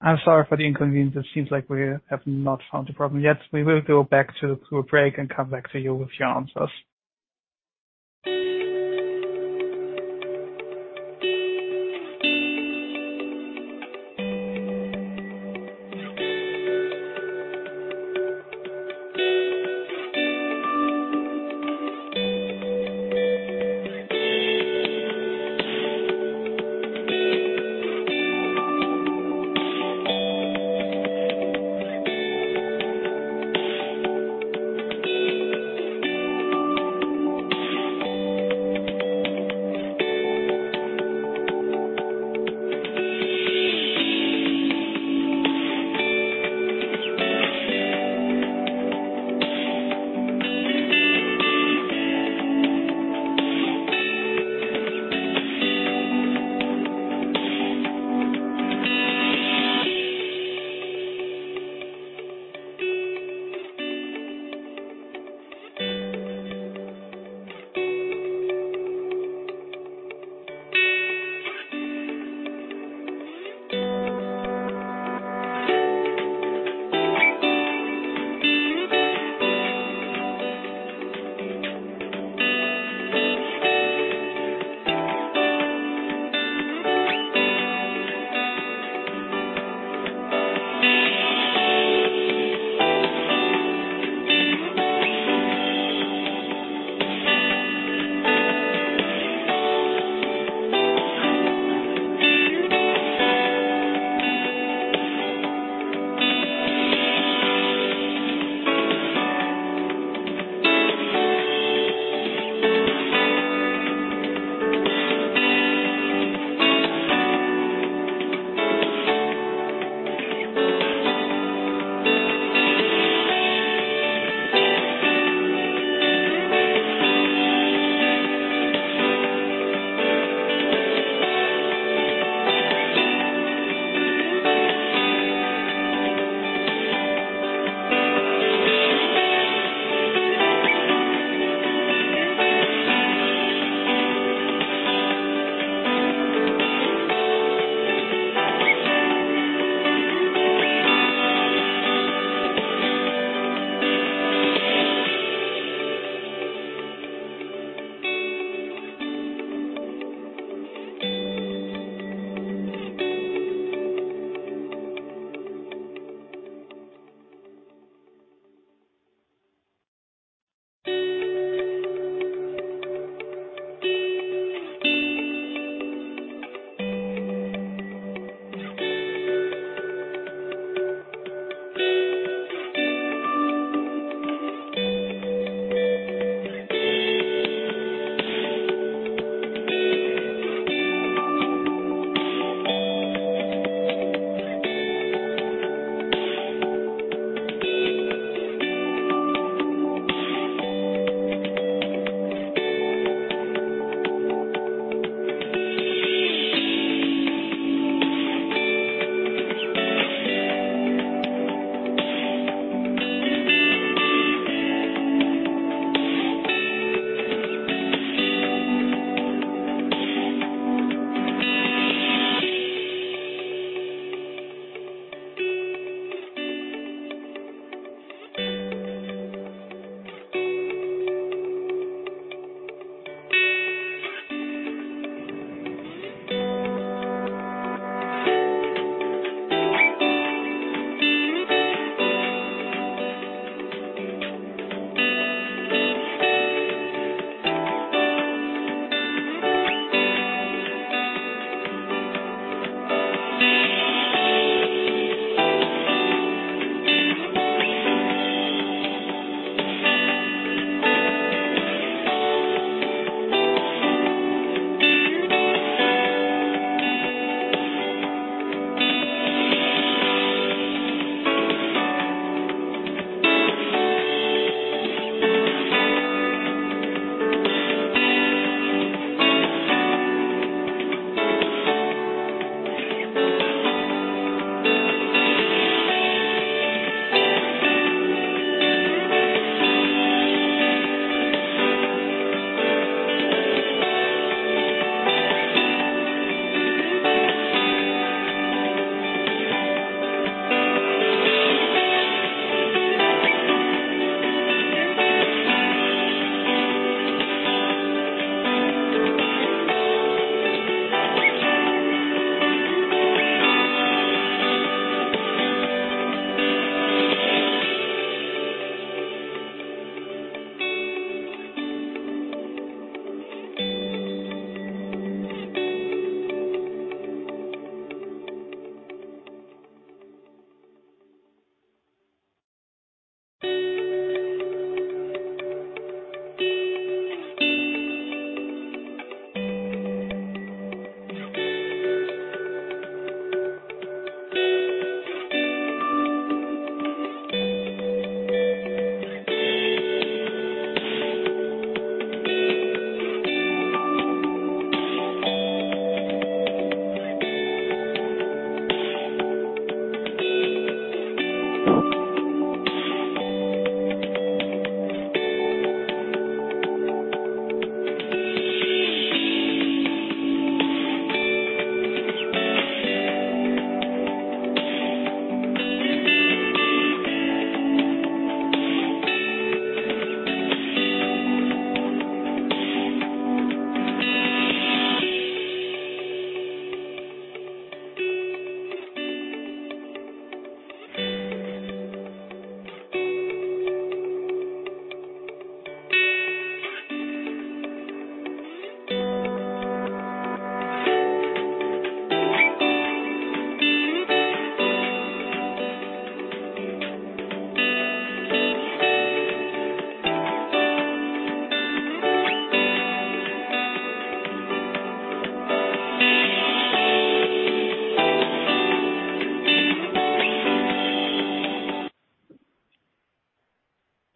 Okay. I'm sorry for the inconvenience. It seems like we have not found the problem yet. We will go back to a break and come back to you with your answers.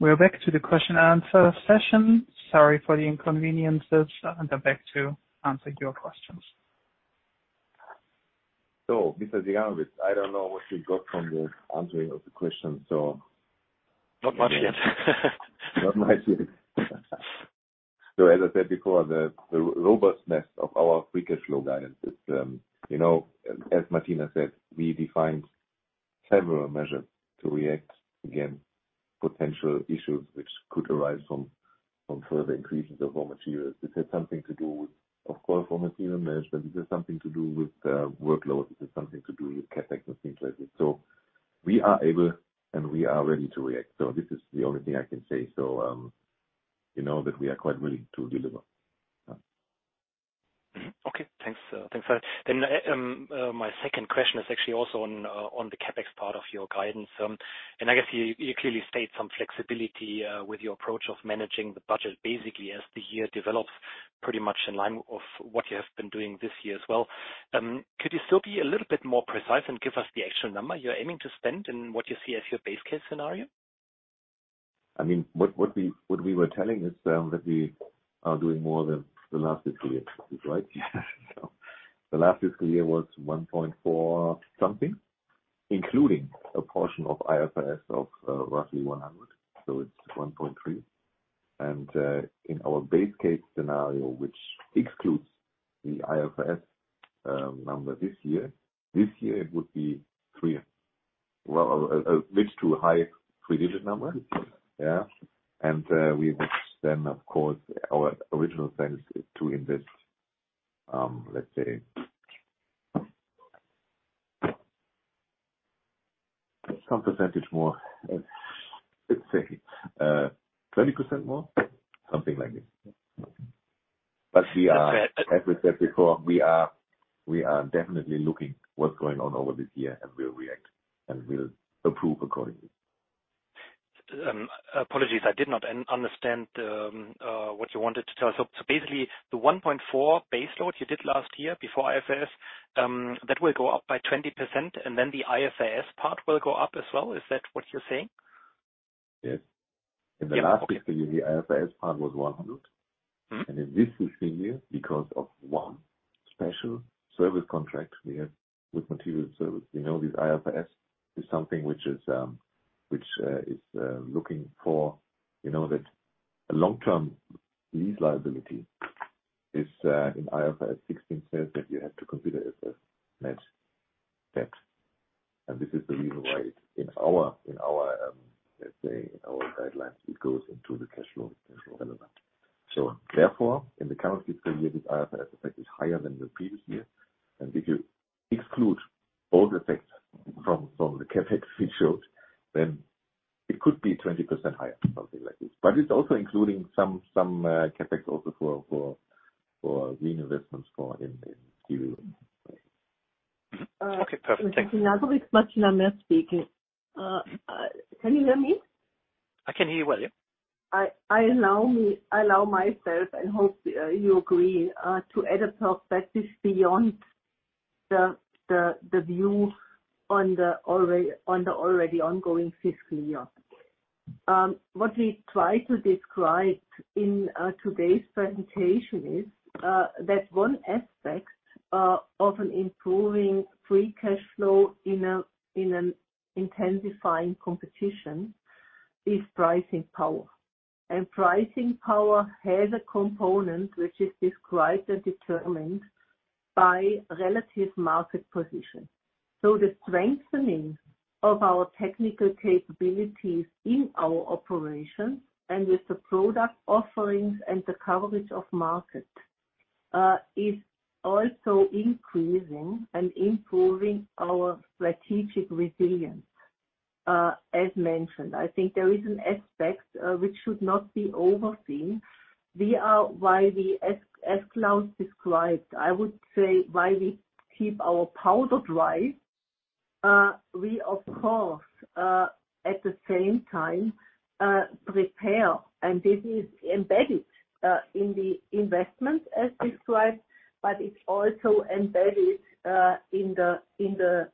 We are back to the Q&A session. Sorry for the inconveniences and I'm back to answer your questions. Mr. Synagowitz, I don't know what you got from the answering of the question. Not much yet. Not much yet. As I said before, the robustness of our free cash flow guidance is, you know, as Martina said, we defined several measures to react against potential issues which could arise from further increases of raw materials. This has something to do with, of course, raw material management. This has something to do with workloads. This has something to do with CapEx and things like this. We are able and we are ready to react. This is the only thing I can say. You know, that we are quite willing to deliver. Okay, thanks. My second question is actually also on the CapEx part of your guidance. I guess you clearly state some flexibility with your approach of managing the budget basically as the year develops pretty much in line of what you have been doing this year as well. Could you still be a little bit more precise and give us the actual number you're aiming to spend and what you see as your base case scenario? I mean, what we were telling is that we are doing more than the last fiscal year. Right? The last fiscal year was 1.4 something, including a portion of IFRS of roughly 100. It's 1.3. In our base case scenario, which excludes the IFRS number this year, it would be a mid to high three-digit number. Yeah. Of course our original plan is to invest, let's say some percentage more, let's say 20% more, something like this. I said. As we said before, we are definitely looking what's going on over this year and we'll react, and we'll approve accordingly. Um, apologies, I did not understand, uh, what you wanted to tell us. So basically the 1.4 baseload you did last year before IFRS, um, that will go up by 20% and then the IFRS part will go up as well. Is that what you're saying? Yes. In the last fiscal year, the IFRS part was 100. Mm-hmm. In this fiscal year, because of one special service contract we have with Materials Services, you know, this IFRS is something which is looking for, you know, that a long-term lease liability in IFRS 16 says that you have to consider it a net debt. This is the reason why in our, let's say, in our guidelines, it goes into the cash flow relevant. Therefore, in the current fiscal year, this IFRS effect is higher than the previous year. If you exclude all the effects from the CapEx we showed, then it could be 20% higher, something like this. It's also including some CapEx also for reinvestments for in quarter. Okay, perfect. Thank you. Mr. Synagowitz, Martina Merz speaking. Can you hear me? I can hear you well, yeah. I allow myself, I hope you agree, to add a perspective beyond the view on the already ongoing fiscal year. What we try to describe in today's presentation is that one aspect of an improving free cash flow in an intensifying competition is pricing power. Pricing power has a component which is described and determined by relative market position. The strengthening of our technical capabilities in our operations and with the product offerings and the coverage of market is also increasing and improving our strategic resilience. As mentioned, I think there is an aspect which should not be overseen. While, as Klaus described, I would say, while we keep our powder dry, we of course at the same time prepare, and this is embedded in the investment as described, but it's also embedded in the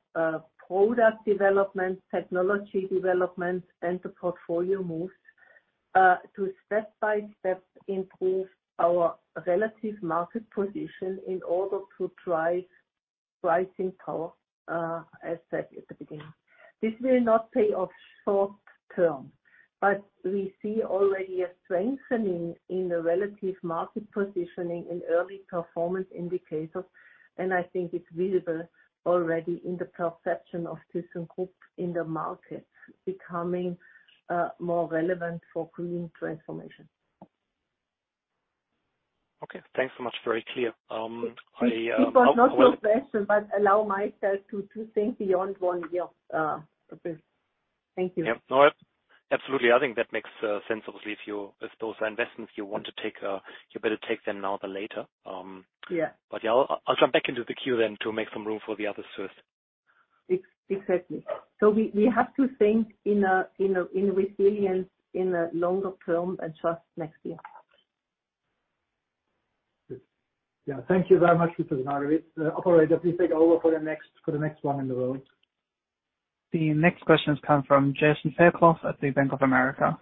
product development, technology development, and the portfolio moves to step-by-step improve our relative market position in order to drive pricing power as said at the beginning. This will not pay off short term, but we see already a strengthening in the relative market positioning in early performance indicators, and I think it's visible already in the perception of thyssenkrupp in the market becoming more relevant for green transformation. Okay, thanks so much. Very clear. It was not your question, but allow myself to think beyond one year. Thank you. Yeah. No, absolutely. I think that makes sense. Obviously, if those are investments you want to take, you better take them now than later. Yeah. Yeah, I'll jump back into the queue then to make some room for the others first. Exactly. We have to think in resilience, in a longer term and just next year. Thank you very much, Martina Merz. Operator, please take over for the next one in the queue. The next question has come from Jason Fairclough at the Bank of America.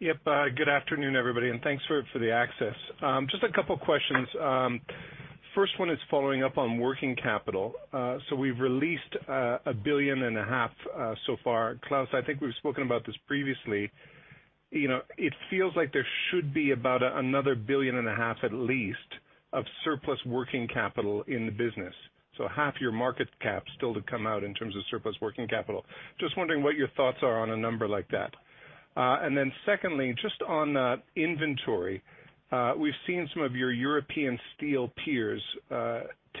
Yep, good afternoon, everybody, and thanks for the access. Just a couple questions. First one is following up on working capital. We've released 1 billion and a half so far. Klaus, I think we've spoken about this previously. You know, it feels like there should be about another 1 billion and a half at least of surplus working capital in the business. Half your market cap still to come out in terms of surplus working capital. Just wondering what your thoughts are on a number like that. Then secondly, just on inventory. We've seen some of your European steel peers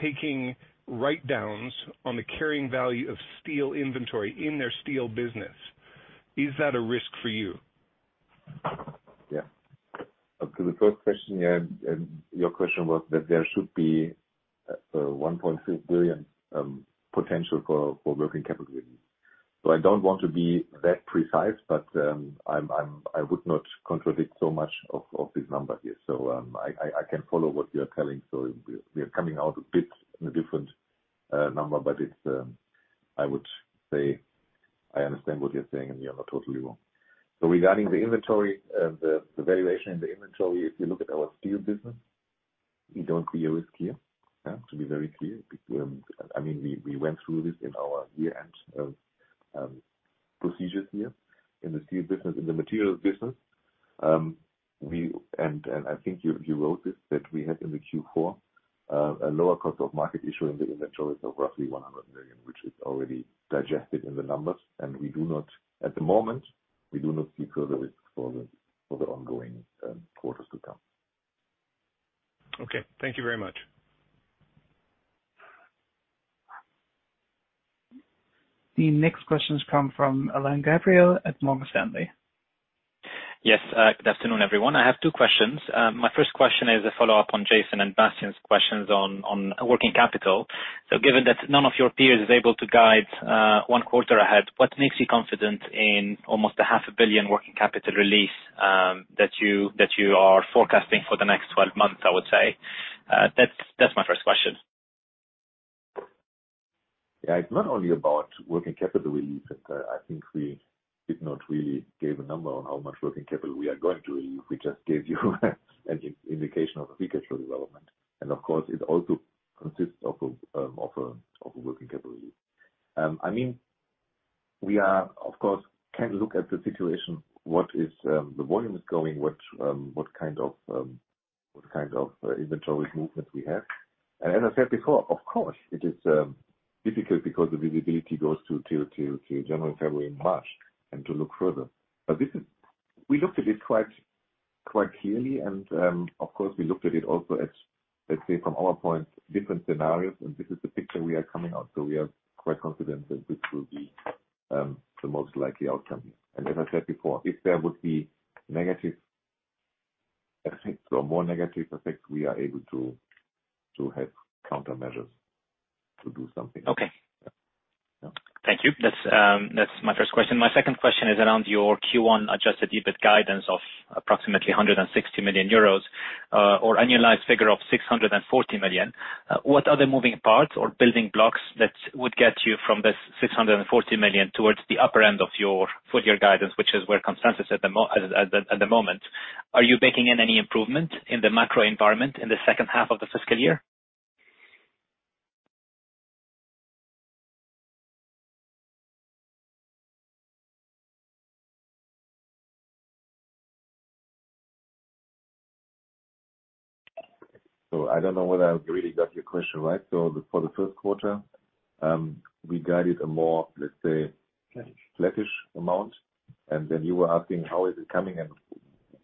taking write-downs on the carrying value of steel inventory in their steel business. Is that a risk for you? Yeah. To the first question, yeah, your question was that there should be 1.6 billion potential for working capital. I don't want to be that precise, but I would not contradict so much of this number here. I can follow what you're telling. We are coming out a bit in a different number, but I would say I understand what you're saying, and you're not totally wrong. Regarding the inventory, the valuation in the inventory, if you look at our steel business, we don't see a risk here. Yeah. To be very clear, I mean, we went through this in our year-end procedures here in the steel business, in the Materials business. I think you wrote this, that we had in the Q4 a lower cost of market issue in the inventories of roughly 100 million, which is already digested in the numbers. We do not, at the moment, see further risks for the ongoing quarters to come. Okay. Thank you very much. The next questions come from Alain Gabriel at Morgan Stanley. Yes. Good afternoon, everyone. I have two questions. My first question is a follow-up on Jason and Bastian's questions on working capital. Given that none of your peers is able to guide one quarter ahead, what makes you confident in almost EUR half a billion working capital release that you are forecasting for the next 12 months, I would say? That's my first question. Yeah. It's not only about working capital release. I think we did not really give a number on how much working capital we are going to release. We just gave you an indication of the free cash flow development. Of course, it also consists of a working capital release. I mean, we are, of course, kind of look at the situation, what the volume is going, what kind of inventory movements we have. As I said before, of course, it is difficult because the visibility goes to January, February and March and to look further. We looked at it quite clearly, and, of course, we looked at it also as, let's say from our point, different scenarios, and this is the picture we are coming out, so we are quite confident that this will be the most likely outcome. As I said before, if there would be negative effects or more negative effects, we are able to have countermeasures to do something. Okay. Yeah. Thank you. That's my first question. My second question is around your Q1 adjusted EBIT guidance of approximately 160 million euros or annualized figure of 640 million. What are the moving parts or building blocks that would get you from this 640 million towards the upper end of your full year guidance, which is where consensus at the moment? Are you baking in any improvement in the macro environment in the second half of the fiscal year? I don't know whether I really got your question right. For the first quarter, we guided a more, let's say. Flattish... flattish amount, and then you were asking how is it coming and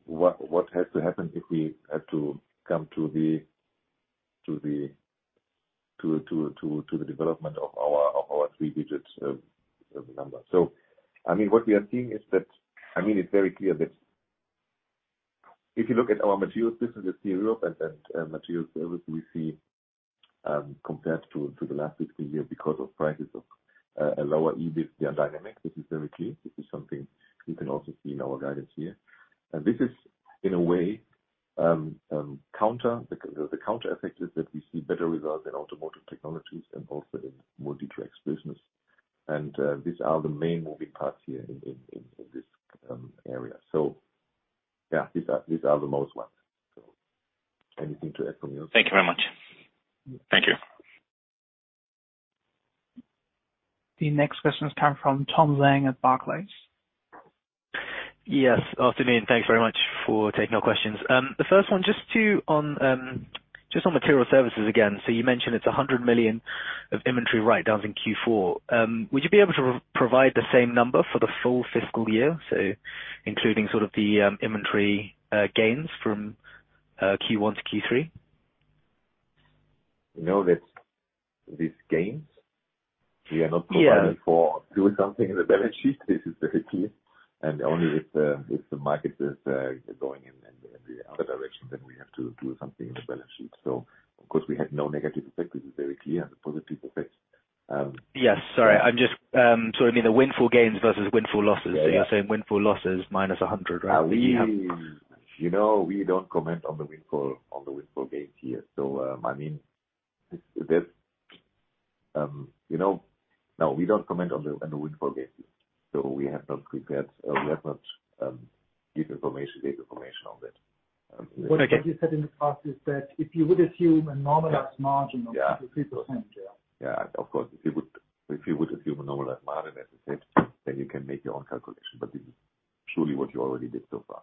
what has to happen if we had to come to the development of our, of our three digits, uh, number. So I mean, what we are seeing is that, I mean, it's very clear that if you look at our Materials business in Europe and Material Service, we see compared to the last 50 year because of prices of, uh, a lower EBIT, they are dynamic. This is very clear. This is something you can also see in our guidance here. And this is in a way, um, counter the counter effect is that we see better results in Automotive Technologies and also in Multi Tracks business. These are the main moving parts here in this area. Yeah, these are the most ones. Anything to add from you? Thank you very much. Thank you. The next question is coming from Tom Zhang at Barclays. Yes. Afternoon. Thanks very much for taking our questions. The first one, just on Materials Services again. You mentioned it's 100 million of inventory write-downs in Q4. Would you be able to provide the same number for the full fiscal year, so including sort of the inventory gains from Q1-Q3? You know that these gains. Yeah. We are not providing for doing something in the balance sheet. This is very clear. Only with the market is going in the other direction, then we have to do something in the balance sheet. Of course we have no negative effect. This is very clear. Yes. Sorry. I mean the windfall gains versus windfall losses. Yeah, yeah. You're saying windfall losses -100, right? We, you know, don't comment on the windfall gains here. I mean, that's, you know. No, we don't comment on the windfall gains. We have not gave information on that. Okay. What you said in the past is that if you would assume a normalized margin of. Yeah. 2%-3%, yeah. Yeah. Of course, if you would assume a normalized margin as I said, then you can make your own calculation. This is truly what you already did so far.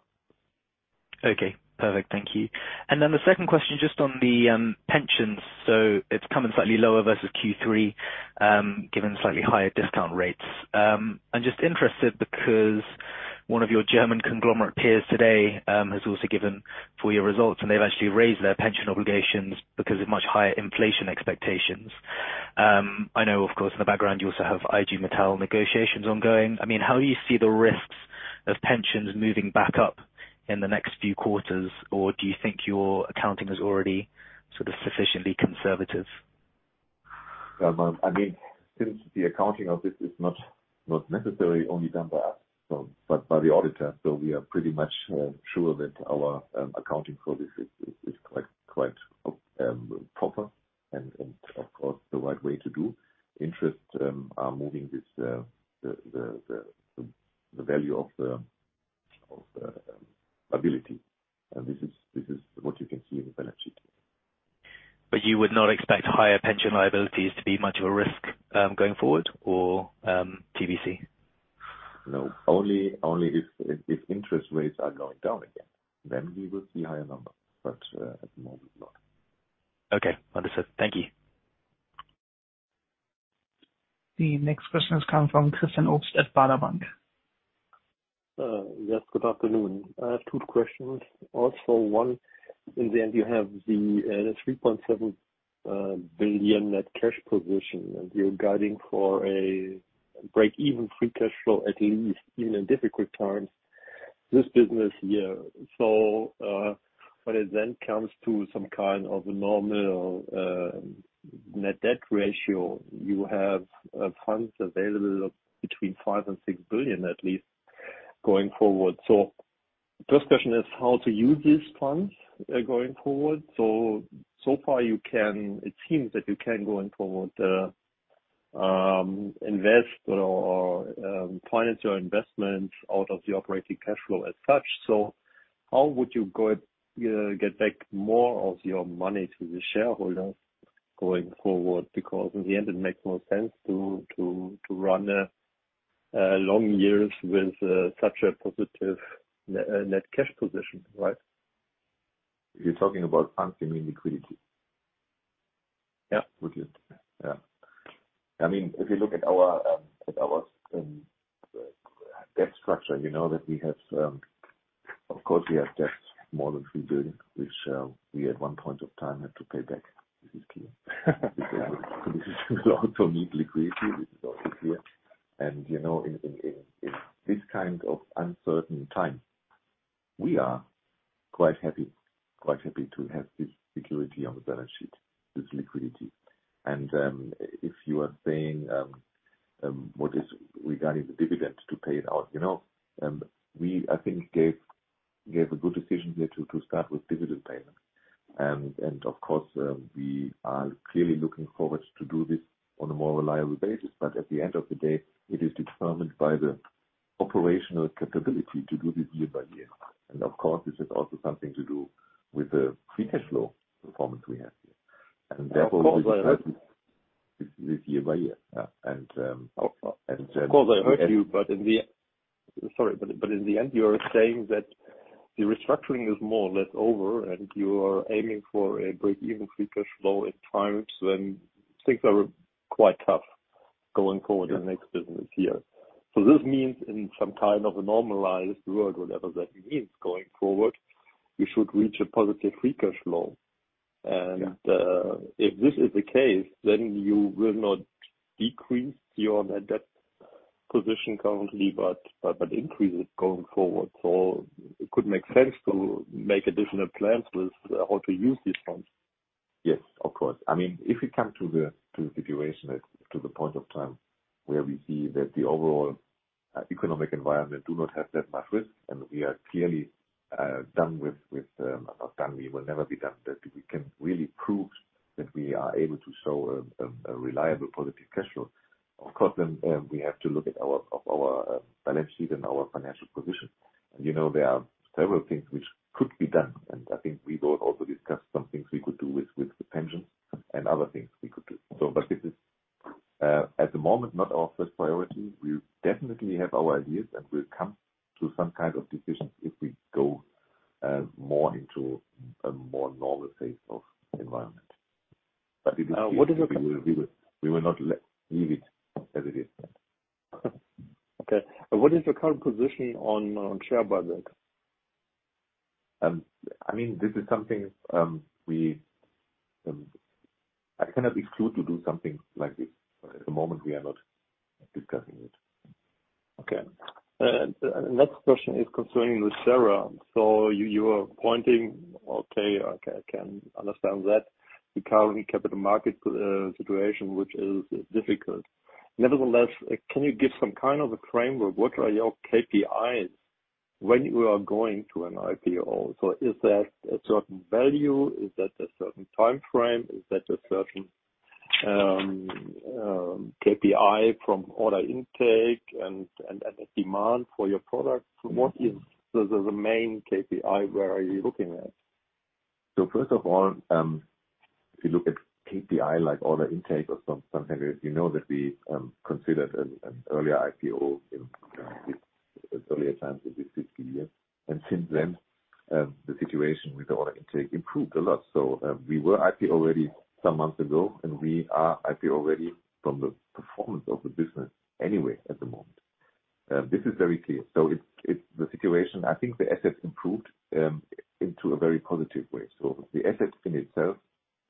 Okay, perfect. Thank you. The second question, just on the pensions. It's come in slightly lower versus Q3 given slightly higher discount rates. I'm just interested because one of your German conglomerate peers today has also given full year results, and they've actually raised their pension obligations because of much higher inflation expectations. I know of course in the background you also have IG Metall negotiations ongoing. I mean, how do you see the risks of pensions moving back up in the next few quarters, or do you think your accounting is already sort of sufficiently conservative? I mean, since the accounting of this is not necessarily only done by us but by the auditor, we are pretty much sure that our accounting for this is quite proper and, of course, the right way to do. Interest are moving the value of the liability and this is what you can see in the balance sheet. You would not expect higher pension liabilities to be much of a risk going forward or TBC? No. Only if interest rates are going down again, then we would see higher numbers. At the moment not. Okay. Understood. Thank you. The next question is coming from Christian Obst at Baader Bank. Yes. Good afternoon. I have two questions also. One, in the end you have the 3.7 billion net cash position, and you're guiding for a break-even free cash flow at least in a difficult times this business year. When it then comes to some kind of normal net debt ratio, you have funds available of between 5 billion and 6 billion at least going forward. First question is how to use these funds going forward. It seems that you can going forward invest or finance your investments out of the operating cash flow as such. How would you go get back more of your money to the shareholders going forward? Because in the end it makes more sense to run a long years with such a positive net cash position, right? You're talking about funds, you mean liquidity? Yeah. Good. Yeah. I mean, if you look at our debt structure, you know that we have, of course we have debt more than 3 billion, which we at one point of time had to pay back. This is clear. This is also need liquidity. This is also clear. You know, in this kind of uncertain time, we are quite happy to have this security on the balance sheet, this liquidity. If you are saying what is regarding the dividend to pay it out, you know, I think gave a good decision here to start with dividend payment. Of course, we are clearly looking forward to do this on a more reliable basis, but at the end of the day, it is determined by the operational capability to do this year-by-year. Of course, this is also something to do with the free cash flow performance we have here. Of course I heard you. This year-by-year. Yeah. Of course I heard you. Sorry, in the end, you are saying that the restructuring is more or less over and you are aiming for a break-even free cash flow at times when things are quite tough going forward in next business year. This means in some kind of a normalized world, whatever that means, going forward, you should reach a positive free cash flow. Yeah. If this is the case, then you will not decrease your net debt position currently, but increase it going forward. It could make sense to make additional plans with how to use these funds. Yes, of course. I mean, if it come to the situation as to the point of time where we see that the overall economic environment do not have that much risk, and we are clearly not done, we will never be done, that we can really prove that we are able to show a reliable positive cash flow. Of course, we have to look at our balance sheet and our financial position. You know, there are several things which could be done. I think we both also discussed some things we could do with the pensions and other things we could do. This is, at the moment, not our first priority. We definitely have our ideas and we'll come to some kind of decision if we go more into a more normal phase of environment. It is clear. Now, what is the- We will not leave it as it is. Okay. What is your current position on share buyback? I mean, this is something I cannot exclude to do something like this. At the moment we are not discussing it. Okay. The next question is concerning with nucera. You are pointing. Okay, I can understand that the current capital market situation, which is difficult. Nevertheless, can you give some kind of a framework? What are your KPIs when you are going to an IPO? Is that a certain value? Is that a certain time frame? Is that a certain KPI from order intake and demand for your product? Mm-hmm. What is the main KPI? Where are you looking at? First of all, if you look at KPI, like order intake or something, you know that we considered an earlier IPO in earlier times in this fiscal year. Since then, the situation with order intake improved a lot. We were IPO ready some months ago, and we are IPO ready from the performance of the business anyway at the moment. This is very clear. It's the situation. I think the assets improved into a very positive way. The assets in itself,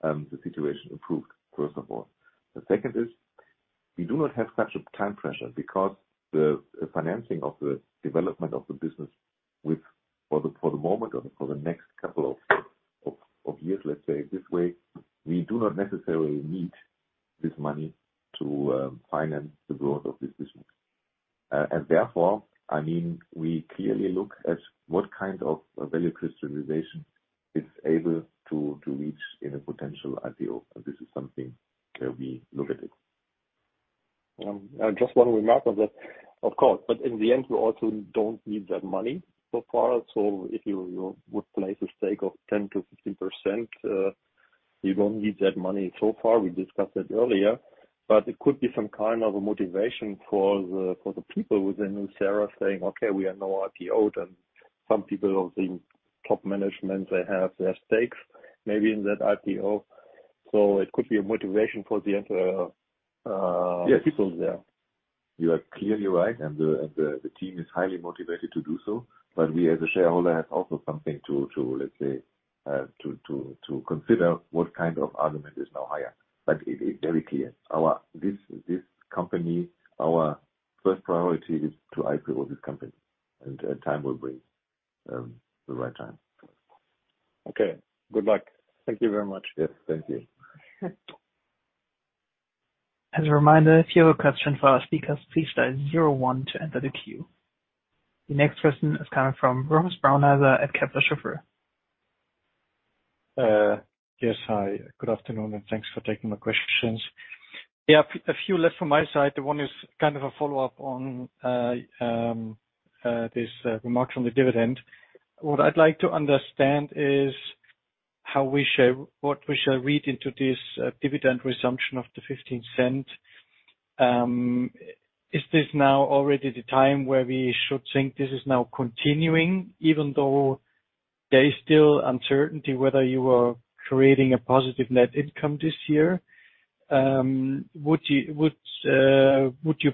the situation improved, first of all. The second is, we do not have such a time pressure because the financing of the development of the business with, for the moment or for the next couple of years, let's say, this way, we do not necessarily need this money to finance the growth of this business. Therefore, I mean, we clearly look at what kind of value crystallization is able to reach in a potential IPO. This is something we look at it. Just one remark on that. Of course, but in the end, you also don't need that money so far. If you would place a stake of 10%-15%, you don't need that money so far. We discussed that earlier. It could be some kind of a motivation for the people within nucera saying, "Okay, we are now IPO," then some people of the top management, they have their stakes maybe in that IPO. It could be a motivation for the people there. You are clearly right and the, and the team is highly motivated to do so. But we as a shareholder have also something to, let's say to consider what kind of argument is now higher. But it is very clear. This, this company, our first priority is to IPO this company, and time will bring, um, the right time. Okay. Good luck. Thank you very much. Yes, thank you. As a reminder, if you have a question for our speakers, please dial zero one to enter the queue. The next person is coming from Rochus Brauneiser at Kepler Cheuvreux. Yes. Hi, good afternoon, and thanks for taking my questions. Yeah, a few left from my side. One is kind of a follow-up on this remark on the dividend. What I'd like to understand is what we shall read into this dividend resumption of the 0.15. Is this now already the time where we should think this is now continuing, even though there is still uncertainty whether you are creating a positive net income this year? Would you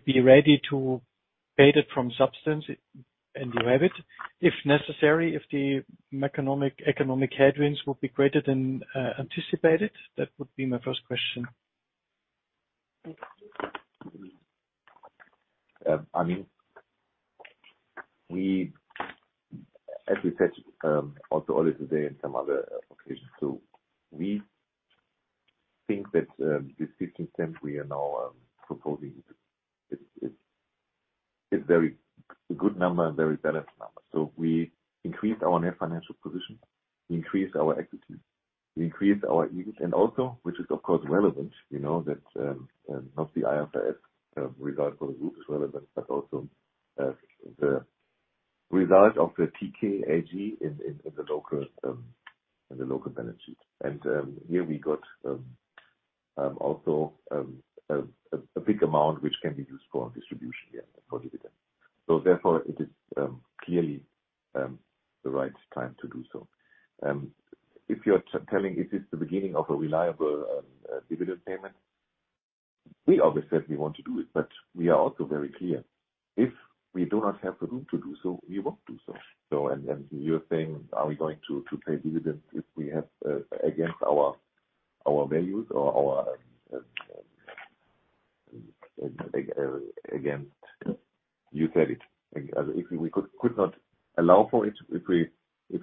be ready to pay that from substance? You have it. If necessary, if the economic headwinds will be greater than anticipated. That would be my first question. I mean, as we said also earlier today in some other occasions too, we think that this EUR 0.15 we are now proposing is a good number and very balanced number. We increased our net financial position, we increased our equity, we increased our earnings. Which is of course relevant, you know, that not the IFRS result for the group is relevant, but also the result of the TKAG in the local balance sheet. Here we got also a big amount which can be used for distribution, yeah, for dividend. Therefore it is clearly the right time to do so. If you're telling is this the beginning of a reliable dividend payment, we always said we want to do it, but we are also very clear. If we do not have the room to do so, we won't do so. You're saying are we going to pay dividends if we have against our values or our against? You said it. If we could not allow for it, if we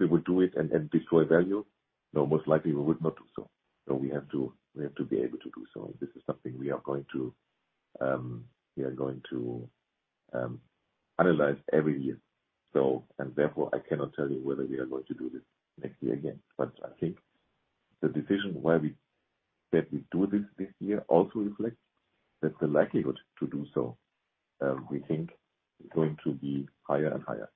would do it and destroy value, no, most likely we would not do so. We have to be able to do so. This is something we are going to analyze every year. Therefore, I cannot tell you whether we are going to do this next year again. I think the decision that we do this this year also reflects that the likelihood to do so, we think is going to be higher and higher.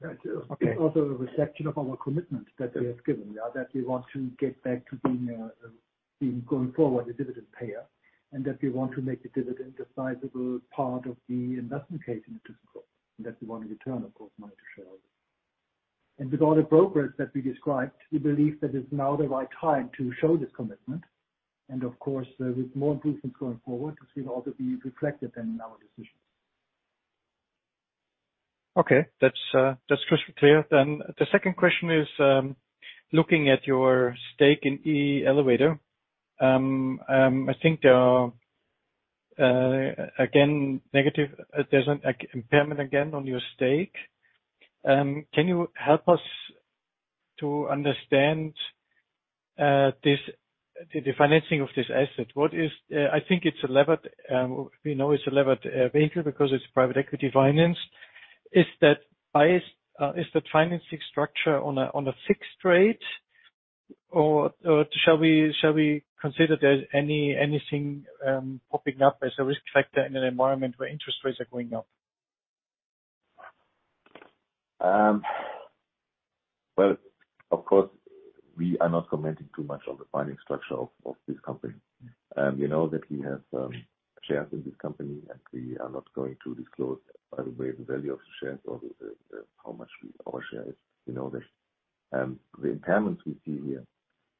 Right. It's also a reflection of our commitment that we have given, yeah. That we want to get back to being going forward a dividend payer, and that we want to make the dividend a sizable part of the investment case in thyssenkrupp. That we want to return, of course, money to shareholders. With all the progress that we described, we believe that it's now the right time to show this commitment, and of course, with more improvements going forward, this will also be reflected in our decisions. Okay. That's crystal clear. The second question is looking at your stake in TK Elevator. I think there's an impairment again on your stake. Can you help us to understand the financing of this asset? We know it's a levered vehicle because it's private equity financed. Is the financing structure on a fixed rate or shall we consider there's anything popping up as a risk factor in an environment where interest rates are going up? Well, of course, we are not commenting too much on the funding structure of this company. You know that we have shares in this company. We are not going to disclose, by the way, the value of the shares or how much our share is. You know that the impairments we see here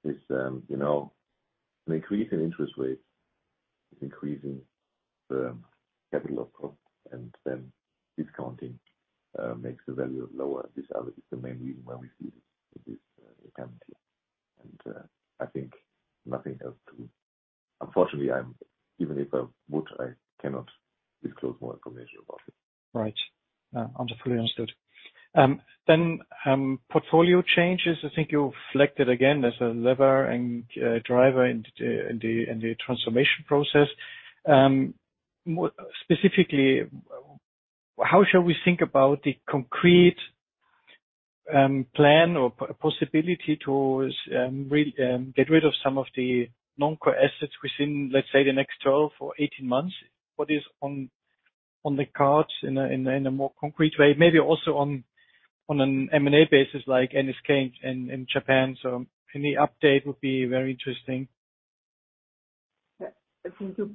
is, you know, an increase in interest rates is increasing the capital output, and then discounting makes the value lower. This obviously is the main reason why we see this impairment here. Unfortunately, even if I would, I cannot disclose more information about it. Right. Fully understood. Portfolio changes. I think you reflect it again as a lever and driver in the transformation process. Specifically, how shall we think about the concrete plan or possibility to get rid of some of the non-core assets within, let's say, the next 12 or 18 months? What is on the cards in a more concrete way? Maybe also on an M&A basis like NSK in Japan. Any update would be very interesting. Yeah. Thank you.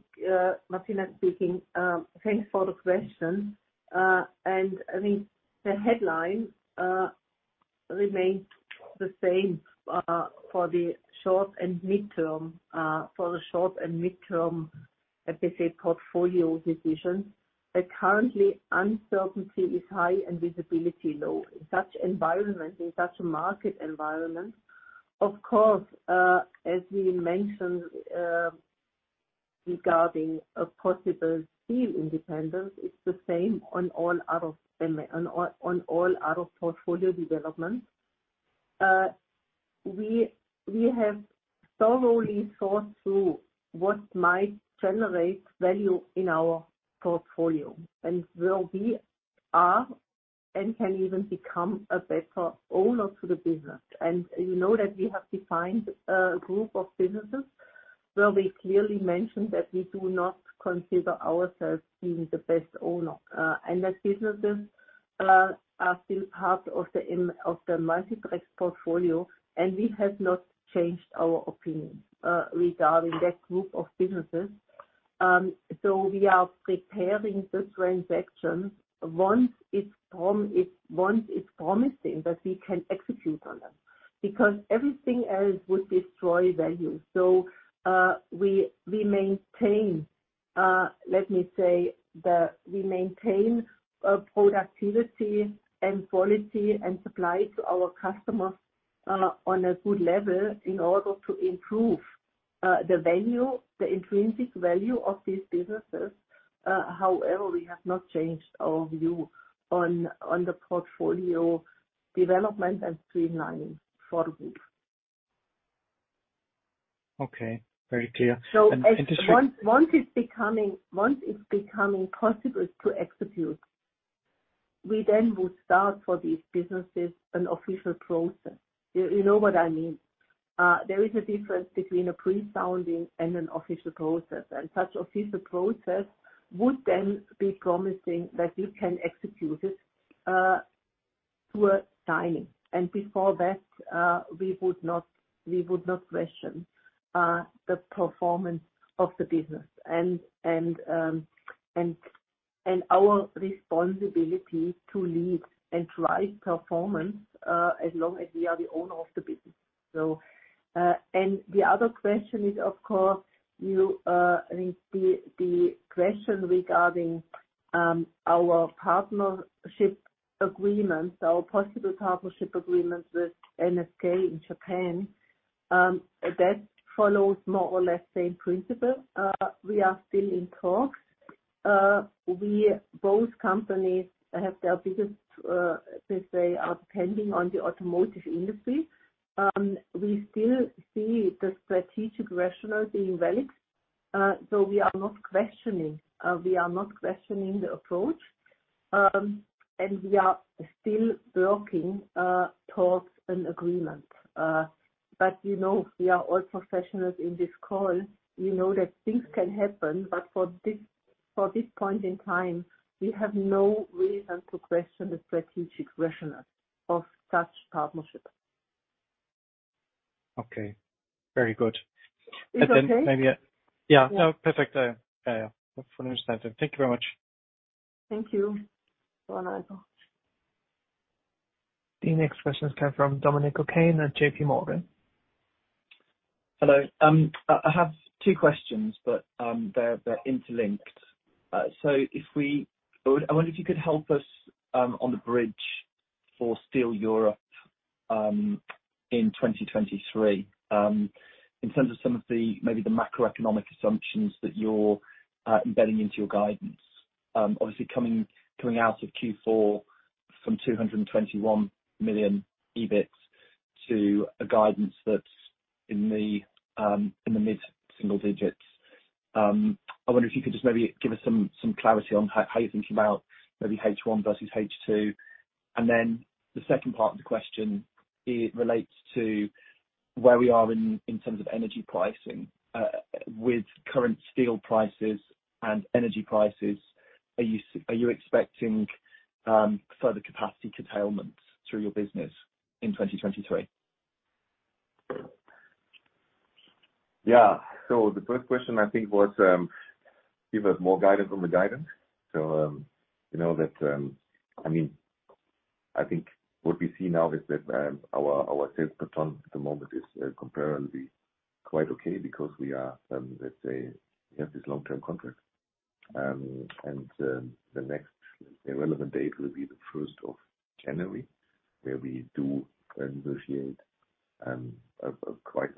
Martina speaking. Thanks for the question. I mean, the headline remains the same for the short and midterm, let me say, portfolio decisions. Currently, uncertainty is high and visibility low. In such a market environment, of course, as we mentioned regarding a possible steel independence, it's the same on all other portfolio developments. We have thoroughly thought through what might generate value in our portfolio and where we are and can even become a better owner to the business. You know that we have defined a group of businesses where we clearly mentioned that we do not consider ourselves being the best owner, and those businesses are still part of the Multi Tracks portfolio, and we have not changed our opinion regarding that group of businesses. We are preparing this transaction once it's promising that we can execute on them because everything else would destroy value. We maintain productivity and quality and supply to our customers on a good level in order to improve the value, the intrinsic value of these businesses. However, we have not changed our view on the portfolio development and streamlining for good. Okay. Very clear. Once it's becoming possible to execute, we then will start for these businesses an official process. You know what I mean? There is a difference between a pre-sounding and an official process. Such official process would then be promising that we can execute it to a timing. Before that, we would not question the performance of the business and our responsibility to lead and drive performance as long as we are the owner of the business. The other question is, of course, I think the question regarding our possible partnership agreements with NSK in Japan, that follows more or less same principle. We are still in talks. Both companies, let's say, are depending on the automotive industry. We still see the strategic rationale being valid. We are not questioning the approach, and we are still working towards an agreement. You know, we are all professionals in this call. We know that things can happen. For this point in time, we have no reason to question the strategic rationale of such partnership. Okay. Very good. Is it okay? Maybe, yeah. No. Perfect. Yeah. Fully understand. Thank you very much. Thank you, Rochus. The next questions come from Dominic O'Kane at JP Morgan. Hello. I have two questions, but they're interlinked. I wonder if you could help us on the bridge for Steel Europe in 2023 in terms of some of the, maybe the macroeconomic assumptions that you're embedding into your guidance. Obviously coming out of Q4 from 221 million EBIT to a guidance that's in the mid-single digits. I wonder if you could just maybe give us some clarity on how you're thinking about maybe H1 versus H2. The second part of the question, it relates to where we are in terms of energy pricing. With current steel prices and energy prices, are you expecting further capacity curtailment through your business in 2023? Yeah. The first question, I think, was give us more guidance on the guidance. You know that, I think what we see now is that our sales pattern at the moment is comparatively quite okay because, let's say, we have this long-term contract. The next relevant date will be the first of January, where we do negotiate a quite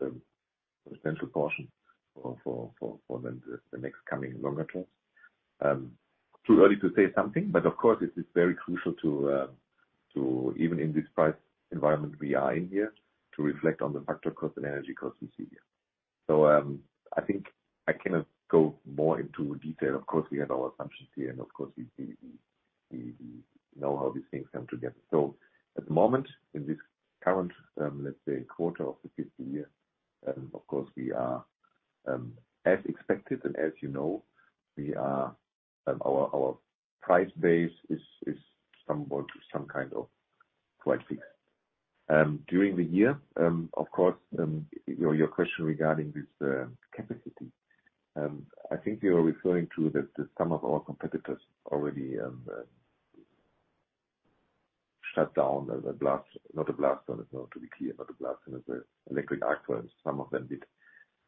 central portion for the next coming longer terms. Too early to say something, but of course it is very crucial to even in this price environment we are in here, to reflect on the factor cost and energy cost we see here. I think I cannot go more into detail. Of course, we have our assumptions here, and of course we know how these things come together. At the moment, in this current, let's say, quarter of the fiscal year, of course, as expected and as you know, our price base is somewhat some kind of quite fixed. During the year, of course, your question regarding this capacity, I think you are referring to some of our competitors already shut down the blast, not a blast furnace, no, to be clear, not a blast furnace, the electric arc furnace, some of them did.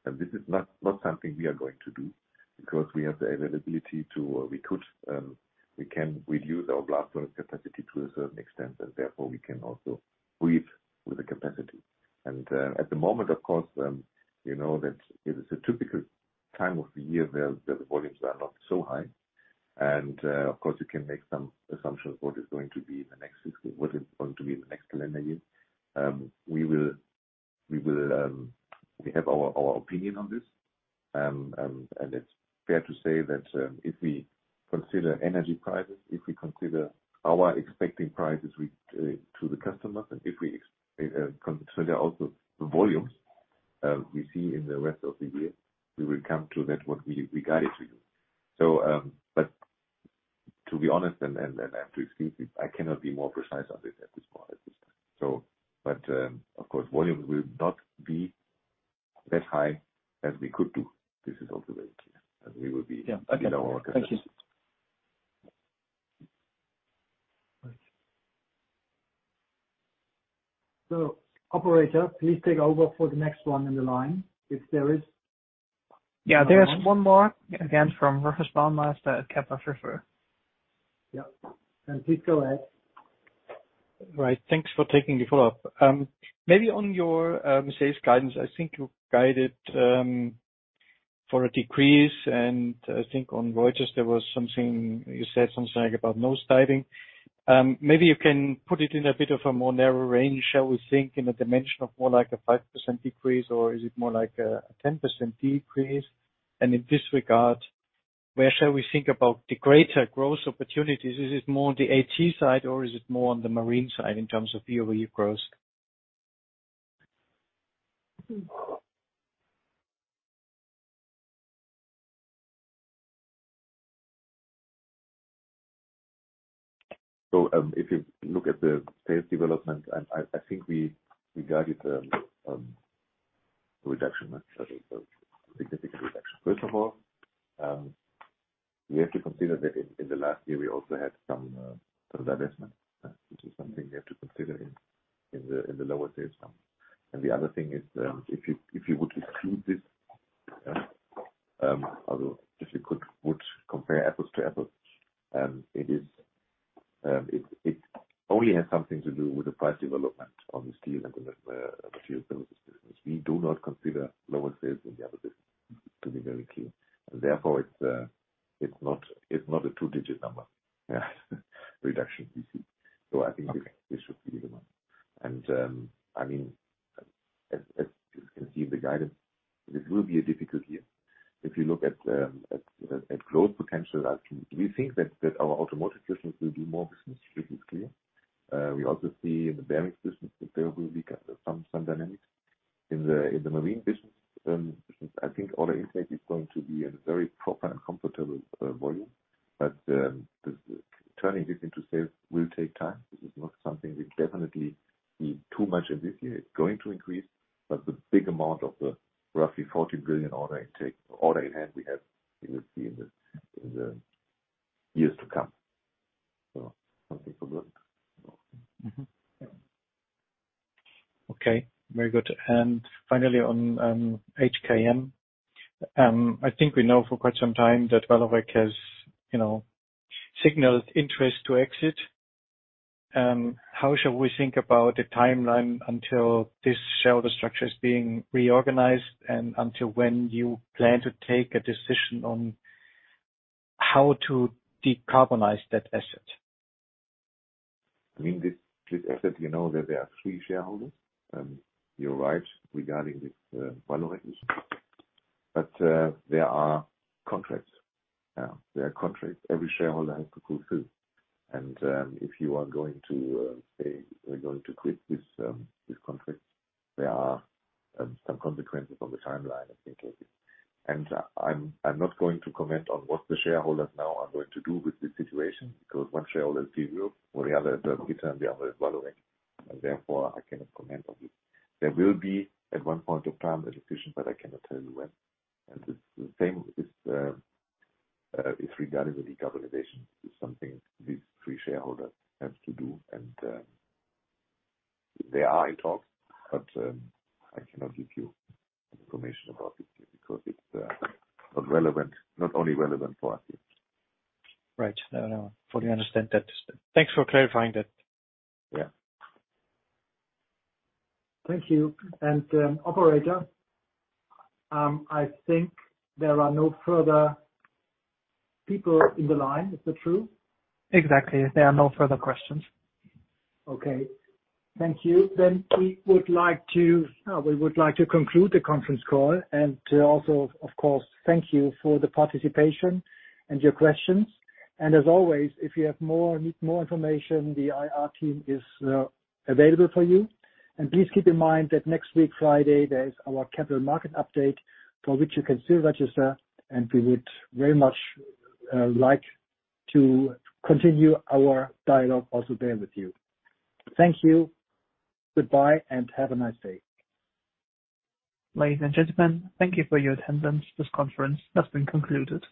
This is not something we are going to do because we can reduce our blast furnace capacity to a certain extent, and therefore we can also breathe with the capacity. At the moment, of course, you know that it is a typical time of the year where the volumes are not so high. Of course you can make some assumptions what is going to be in the next calendar year. We have our opinion on this. It's fair to say that if we consider energy prices, if we consider our expecting prices we to the customers, and if we consider also the volumes we see in the rest of the year, we will come to that what we guided to you. To be honest, I have to excuse you. I cannot be more precise on it at this point, at this time. Of course, volumes will not be that high as we could do. This is also very clear. Yeah. Okay. Thank you. Right. Operator, please take over for the next one in the line, if there is. Yeah, there is one more. Again, from Rochus Brauneiser at Kepler Cheuvreux. Yeah. Please go ahead. Right. Thanks for taking the call. Maybe on your sales guidance. I think you guided for a decrease. You said something about low-digit. Maybe you can put it in a bit of a more narrow range. Shall we think in a dimension of more like a 5% decrease, or is it more like a 10% decrease? In this regard, where shall we think about the greater growth opportunities? Is it more on the A.T. side or is it more on the Marine side in terms of year-over-year growth? If you look at the sales development, I think we guided the reduction, a significant reduction. First of all, we have to consider that in the last year we also had some divestment, which is something we have to consider in the lower sales number. The other thing is, if you would exclude this, would compare apples to apples, it only has something to do with the price development on the Steel and the Materials business. We do not consider lower sales in the other business to be very key. Therefore, it's not a two-digit number reduction we see. I think this should be the one. I mean, as you can see in the guidance, this will be a difficult year. If you look at growth potential, we think that our automotive business will do more business, this is clear. We also see in the Bearings business that there will be some dynamics. In the Marine business, I think order intake is going to be at a very proper and comfortable volume. The turning this into sales will take time. This is not something we definitely see too much in this year. It's going to increase, but the big amount of the roughly 40 billion order in hand we have, we will see in the years to come. Something for that. Mm-hmm. Okay. Very good. Finally on HKM, I think we know for quite some time that Vallourec has, you know, signaled interest to exit. How shall we think about the timeline until this shareholder structure is being reorganized and until when you plan to take a decision on how to decarbonize that asset? I mean, this asset, you know, that there are three shareholders. You're right regarding this Vallourec. There are contracts. There are contracts every shareholder has to go through. If you are going to say, we're going to quit this contract, there are some consequences on the timeline I think. I'm not going to comment on what the shareholders now are going to do with this situation, because one shareholder is tkSE, the other is Salzgitter and the other is Vallourec. Therefore, I cannot comment on this. There will be at one point of time a decision, but I cannot tell you when. The same is regarding the decarbonization. It's something these three shareholders have to do. And, uh, they are in talks, but, um, I cannot give you information about it because it's, uh, not relevant. Not only relevant for us. Right. No, fully understand that. Thanks for clarifying that. Yeah. Thank you. Operator, I think there are no further people in the line. Is that true? Exactly. There are no further questions. Okay. Thank you. We would like to conclude the conference call and also, of course, thank you for the participation and your questions. As always, if you need more information, the I.R. team is available for you. Please keep in mind that next week, Friday, there is our Capital Market Update for which you can still register, and we would very much like to continue our dialogue also there with you. Thank you. Goodbye, and have a nice day. Ladies and gentlemen, thank you for your attendance. This conference has been concluded.